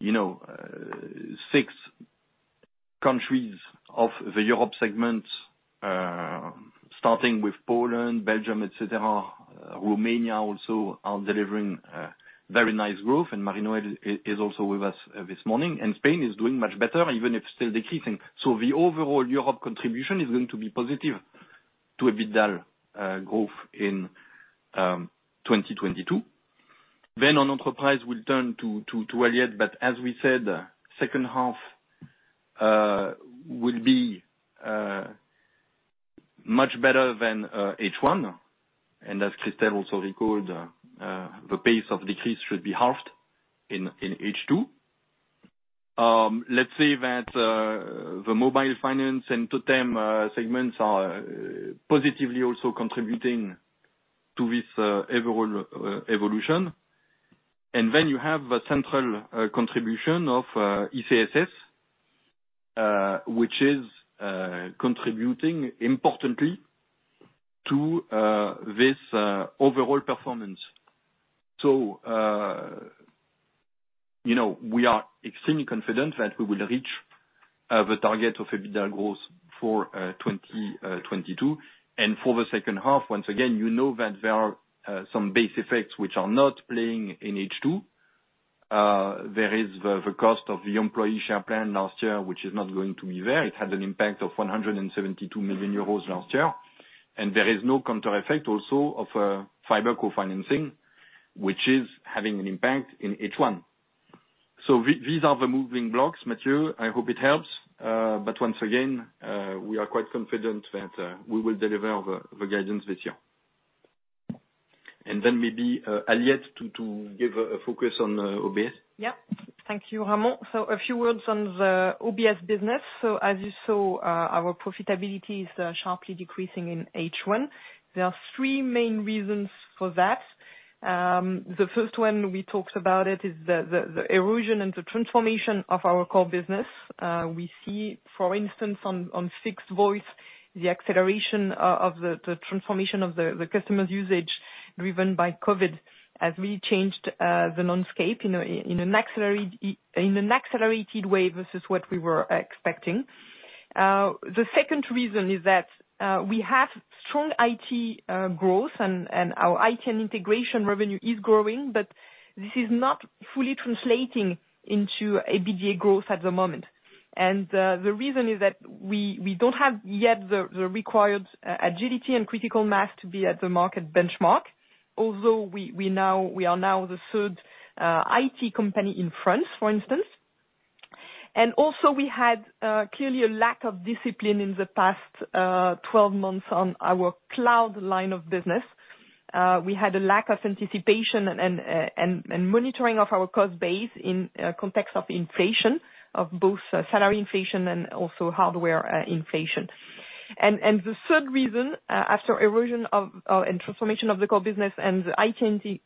you know six countries of the Europe segment starting with Poland, Belgium, et cetera, Romania also are delivering very nice growth. Marino is also with us this morning. Spain is doing much better, even if still decreasing. The overall Europe contribution is going to be positive to EBITDA growth in 2022. On Enterprise, we turn to Aliette. As we said, second half will be much better than H1. As Christel also recalled, the pace of decrease should be halved in H2. Let's say that the mobile finance and TOTEM segments are positively also contributing to this overall evolution. You have the central contribution of ICSS, which is contributing importantly to this overall performance. You know, we are extremely confident that we will reach the target of EBITDA growth for 2022. For the second half, once again, you know that there are some base effects which are not playing in H2. There is the cost of the employee share plan last year, which is not going to be there. It had an impact of 172 million euros last year. There is no counter effect also of fiber co-financing, which is having an impact in H1. So these are the moving blocks, Mathieu. I hope it helps. Once again, we are quite confident that we will deliver the guidance this year. Then maybe Aliette to give a focus on OBS. Yeah. Thank you, Ramon. A few words on the OBS business. As you saw, our profitability is sharply decreasing in H1. There are three main reasons for that. The first one we talked about is the erosion and the transformation of our core business. We see, for instance, on fixed voice, the acceleration of the transformation of the customer's usage driven by COVID has really changed the landscape in an accelerated way versus what we were expecting. The second reason is that we have strong IT growth and our IT and integration revenue is growing, but this is not fully translating into EBITDA growth at the moment. The reason is that we don't have yet the required agility and critical mass to be at the market benchmark. Although we are now the third IT company in France, for instance. Also we had clearly a lack of discipline in the past 12 months on our cloud line of business. We had a lack of anticipation and monitoring of our cost base in context of inflation of both salary inflation and also hardware inflation. The third reason, after erosion and transformation of the core business and the IT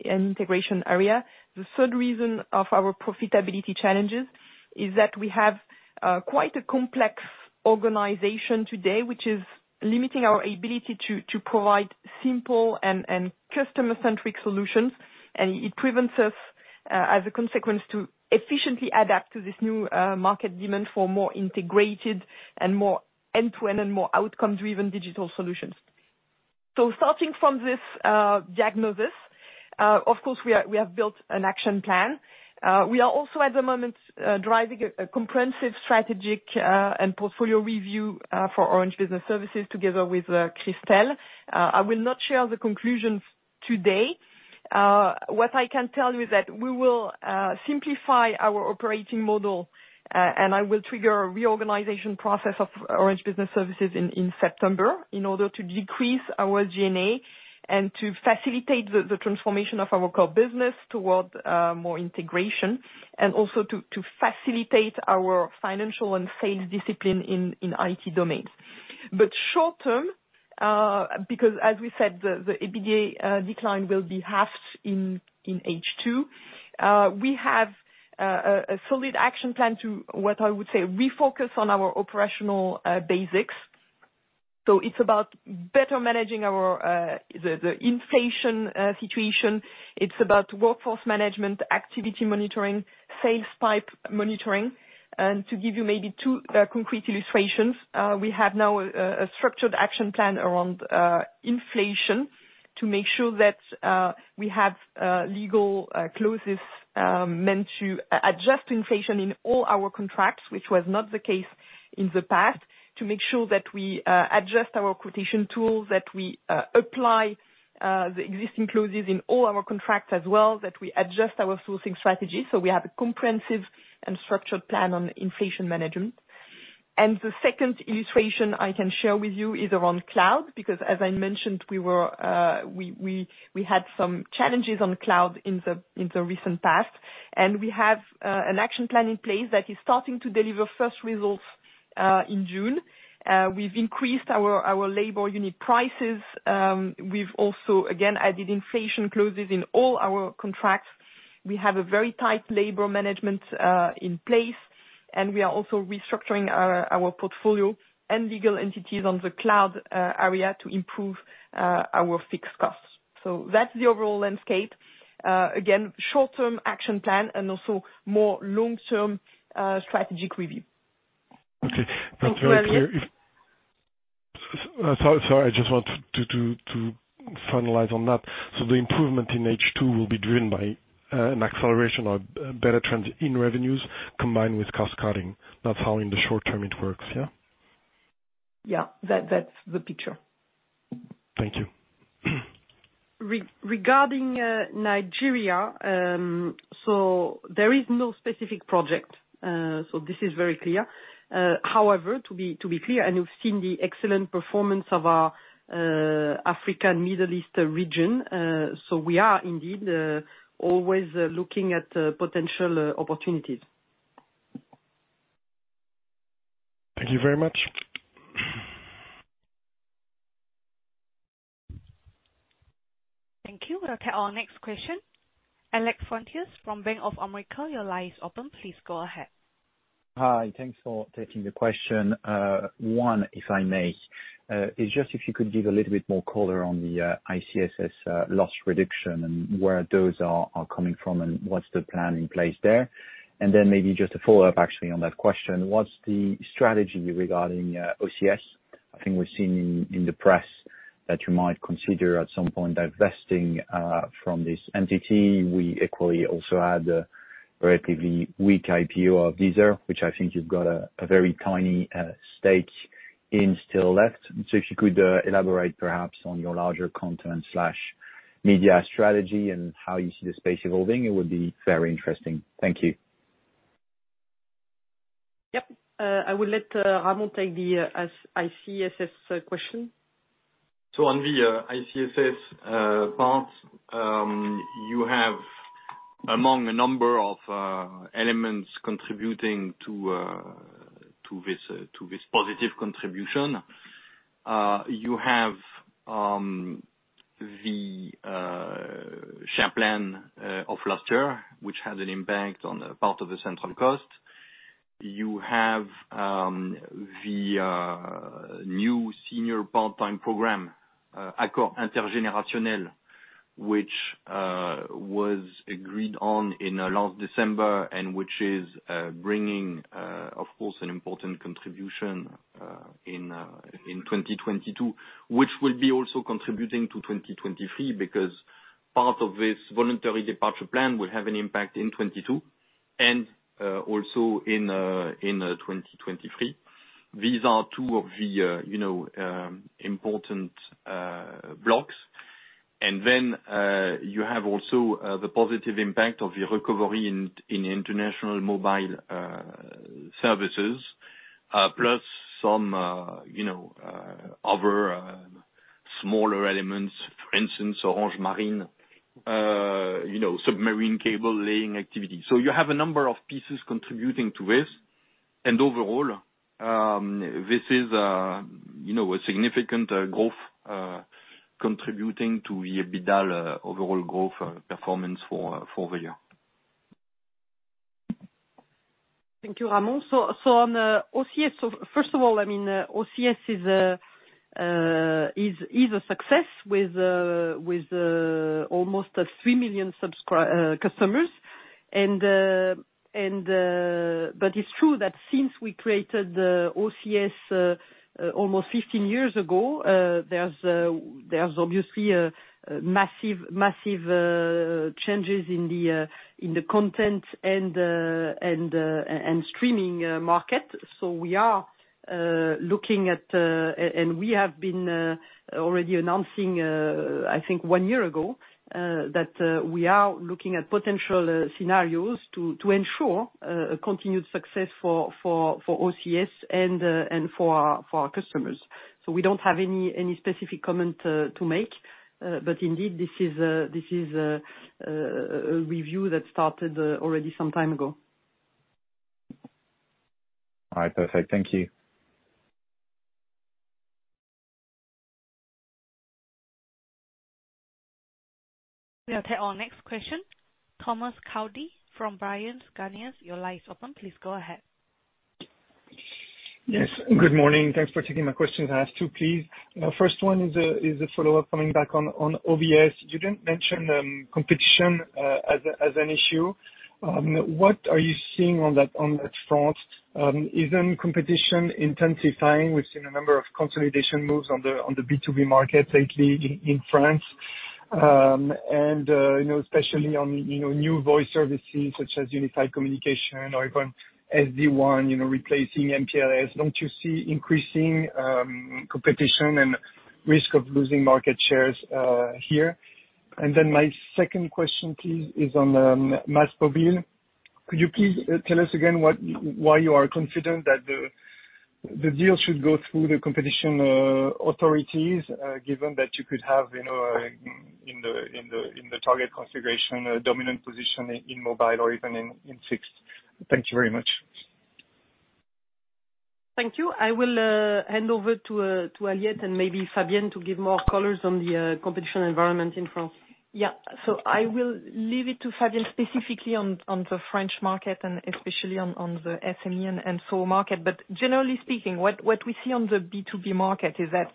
and integration area, of our profitability challenges is that we have quite a complex organization today, which is limiting our ability to provide simple and customer-centric solutions. It prevents us, as a consequence, to efficiently adapt to this new market demand for more integrated and more end-to-end and more outcome-driven digital solutions. Starting from this diagnosis, of course, we have built an action plan. We are also at the moment driving a comprehensive strategic and portfolio review for Orange Business Services together with Christel. I will not share the conclusions today. What I can tell you is that we will simplify our operating model, and I will trigger a reorganization process of Orange Business Services in September in order to decrease our G&A and to facilitate the transformation of our core business towards more integration and also to facilitate our financial and sales discipline in IT domains. Short term, because as we said, the EBITDA decline will be halved in H2, we have a solid action plan to, what I would say, refocus on our operational basics. It's about better managing our inflation situation. It's about workforce management, activity monitoring, sales pipe monitoring. To give you maybe two concrete illustrations, we have now a structured action plan around inflation to make sure that we have legal clauses meant to adjust inflation in all our contracts, which was not the case in the past. To make sure that we adjust our quotation tools, that we apply the existing clauses in all our contracts as well, that we adjust our sourcing strategy. We have a comprehensive and structured plan on inflation management. The second illustration I can share with you is around cloud, because as I mentioned, we had some challenges on cloud in the recent past. We have an action plan in place that is starting to deliver first results in June. We've increased our labor unit prices. We've also again added inflation clauses in all our contracts. We have a very tight labor management in place, and we are also restructuring our portfolio and legal entities on the cloud area to improve our fixed costs. That's the overall landscape. Again, short term action plan and also more long-term strategic review. Okay. That's very clear. Thank you. So sorry, I just want to finalize on that. The improvement in H2 will be driven by an acceleration or better trends in revenues combined with cost cutting. That's how in the short term it works, yeah? Yeah. That's the picture. Thank you. Regarding Nigeria, there is no specific project. This is very clear. However, to be clear, you've seen the excellent performance of our Africa and Middle East region. We are indeed always looking at potential opportunities. Thank you very much. Thank you. We'll take our next question. Alex Frontiers from Bank of America, your line is open. Please go ahead. Hi, thanks for taking the question. One, if I may, is just if you could give a little bit more color on the ICSS loss reduction and where those are coming from and what's the plan in place there. Then maybe just a follow-up actually on that question, what's the strategy regarding OCS? I think we've seen in the press that you might consider at some point divesting from this entity. We equally also had a relatively weak IPO of Deezer, which I think you've got a very tiny stake in still left. So if you could elaborate perhaps on your larger content slash media strategy and how you see the space evolving, it would be very interesting. Thank you. Yep. I will let Ramon take the ICSS question. On the ICSS part, you have among a number of elements contributing to this positive contribution. You have the share plan of last year, which has an impact on the part of the central cost. You have the new senior part-time program, Accord Intergénérationnel, which was agreed on in last December, and which is bringing, of course, an important contribution in 2022. Which will be also contributing to 2023 because part of this voluntary departure plan will have an impact in 2022, and also in 2023. These are two of the, you know, important blocks. You have also the positive impact of the recovery in international mobile services. Plus some, you know, other smaller elements, for instance, Orange Marine, you know, submarine cable laying activity. You have a number of pieces contributing to this. Overall, this is, you know, a significant growth contributing to the EBITDA overall growth performance for the year. Thank you, Ramon. On OCS, first of all, I mean, OCS is a success with almost 3 million subscribers. It's true that since we created the OCS almost 15 years ago, there's obviously massive changes in the content and streaming market. We are looking at and we have been already announcing, I think 1 year ago, that we are looking at potential scenarios to ensure a continued success for OCS and for our customers. We don't have any specific comment to make. Indeed this is a review that started already some time ago. All right. Perfect. Thank you. We'll take our next question. Thomas Coudry from Bryan, Garnier. Your line is open. Please go ahead. Yes. Good morning. Thanks for taking my questions. I have two, please. First one is a follow-up coming back on OBS. You didn't mention competition as an issue. What are you seeing on that front? Isn't competition intensifying? We've seen a number of consolidation moves on the B2B market lately in France, and you know, especially on, you know, new voice services such as Unified Communications or even SD-WAN, you know, replacing MPLS. Don't you see increasing competition and risk of losing market shares here? Then my second question, please, is on MASMOVIL. Could you please tell us again why you are confident that the deal should go through the competition authorities, given that you could have, you know, in the target configuration a dominant position in mobile or even in fixed? Thank you very much. Thank you. I will hand over to Aliette and maybe Fabienne to give more colors on the competition environment in France. Yeah. I will leave it to Fabienne specifically on the French market and especially on the SME and SOHO market. Generally speaking, what we see on the B2B market is that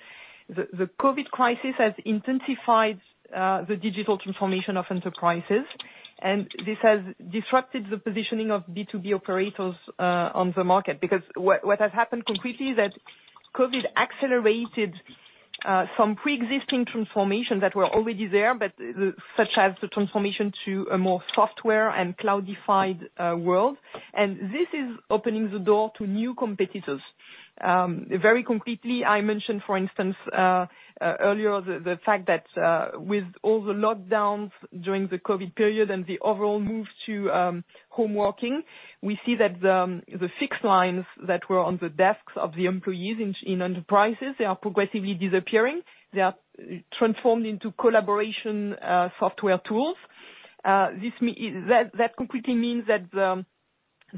the COVID crisis has intensified the digital transformation of enterprises. This has disrupted the positioning of B2B operators on the market. Because what has happened completely is that COVID accelerated some pre-existing transformations that were already there, but such as the transformation to a more software and cloudified world. This is opening the door to new competitors. Very concretely, I mentioned, for instance, earlier the fact that, with all the lockdowns during the COVID period and the overall move to home working, we see that the fixed lines that were on the desks of the employees in enterprises, they are progressively disappearing. They are transformed into collaboration software tools. That completely means that the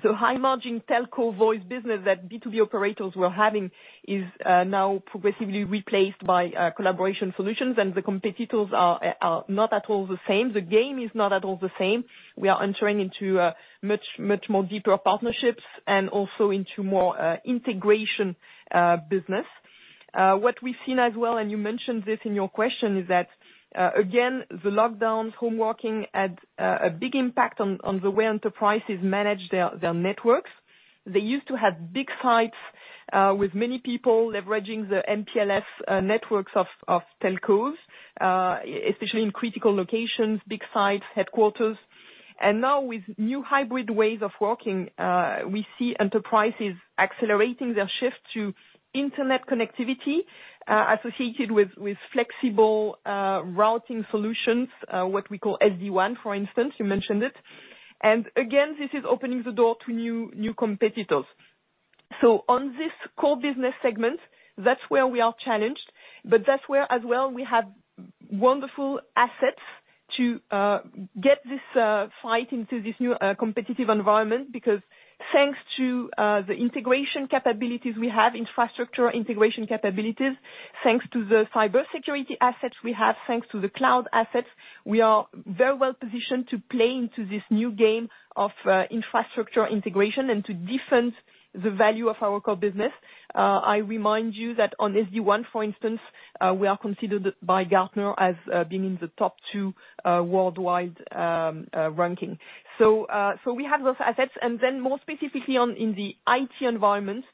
high margin telco voice business that B2B operators were having is now progressively replaced by collaboration solutions. The competitors are not at all the same. The game is not at all the same. We are entering into much deeper partnerships and also into more integrated business. What we've seen as well, and you mentioned this in your question, is that, again, the lockdowns, home working had a big impact on the way enterprises manage their networks. They used to have big sites with many people leveraging the MPLS networks of telcos, especially in critical locations, big sites, headquarters. Now with new hybrid ways of working, we see enterprises accelerating their shift to internet connectivity associated with flexible routing solutions, what we call SD-WAN, for instance, you mentioned it. Again, this is opening the door to new competitors. On this core business segment, that's where we are challenged, but that's where as well we have wonderful assets to get this fight into this new competitive environment. Because thanks to the integration capabilities we have, infrastructure integration capabilities. Thanks to the cybersecurity assets we have, thanks to the cloud assets, we are very well positioned to play into this new game of infrastructure integration and to defend the value of our core business. I remind you that on SD-WAN, for instance, we are considered by Gartner as being in the top two worldwide ranking. We have those assets. More specifically on, in the IT environment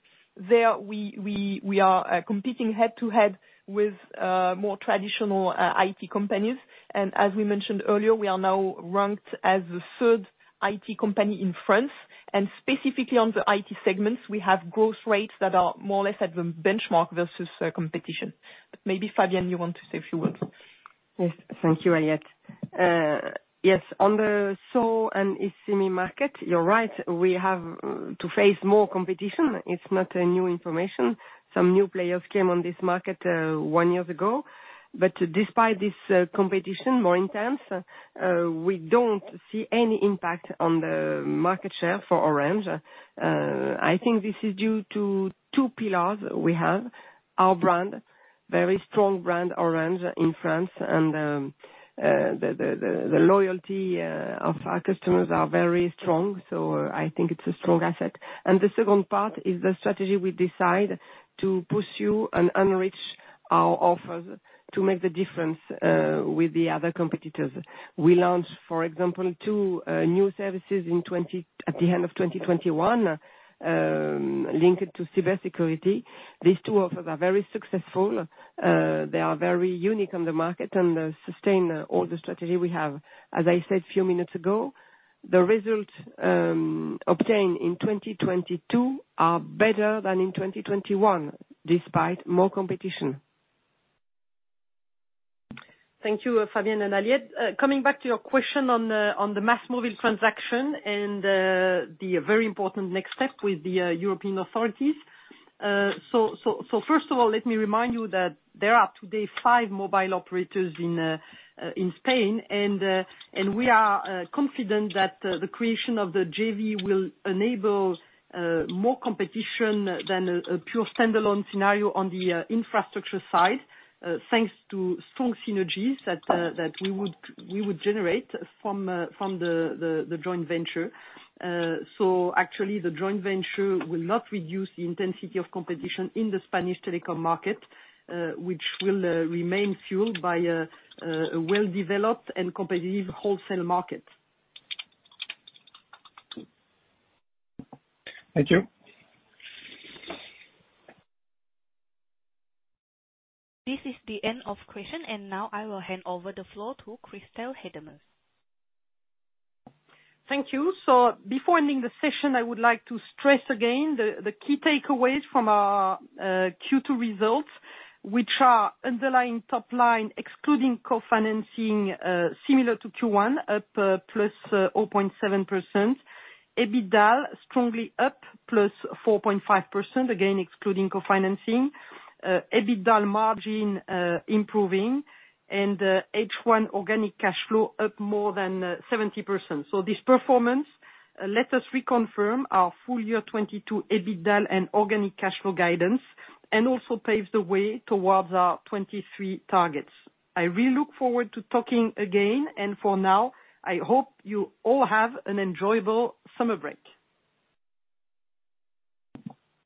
there, we are competing head to head with more traditional IT companies. As we mentioned earlier, we are now ranked as the third IT company in France. Specifically on the IT segments, we have growth rates that are more or less at the benchmark versus competition. Maybe Fabienne, you want to say a few words? Yes. Thank you, Aliette. Yes, on the SOHO and SME market, you're right, we have to face more competition. It's not new information. Some new players came on this market one year ago. Despite this, more intense competition, we don't see any impact on the market share for Orange. I think this is due to two pillars we have. Our brand, very strong brand, Orange in France. The loyalty of our customers are very strong. I think it's a strong asset. The second part is the strategy we decide to pursue and enrich our offers to make the difference with the other competitors. We launched, for example, two new services at the end of 2021 linked to cybersecurity. These two offers are very successful. They are very unique on the market and sustain all the strategy we have. As I said a few minutes ago, the results obtained in 2022 are better than in 2021, despite more competition. Thank you, Fabienne and Aliette. Coming back to your question on the MASMOVIL transaction and the very important next step with the European authorities. First of all, let me remind you that there are today five mobile operators in Spain. We are confident that the creation of the JV will enable more competition than a pure standalone scenario on the infrastructure side, thanks to strong synergies that we would generate from the joint venture. Actually the joint venture will not reduce the intensity of competition in the Spanish telecom market, which will remain fueled by a well-developed and competitive wholesale market. Thank you. This is the end of question, and now I will hand over the floor to Christel Heydemann. Thank you. Before ending the session, I would like to stress again the key takeaways from our Q2 results, which are underlying top line, excluding co-financing, similar to Q1, up +0.7%. EBITDA strongly up, +4.5%, again excluding co-financing. EBITDA margin improving and H1 organic cash flow up more than 70%. This performance let us reconfirm our full year 2022 EBITDA and organic cash flow guidance and also paves the way towards our 2023 targets. I really look forward to talking again, and for now, I hope you all have an enjoyable summer break.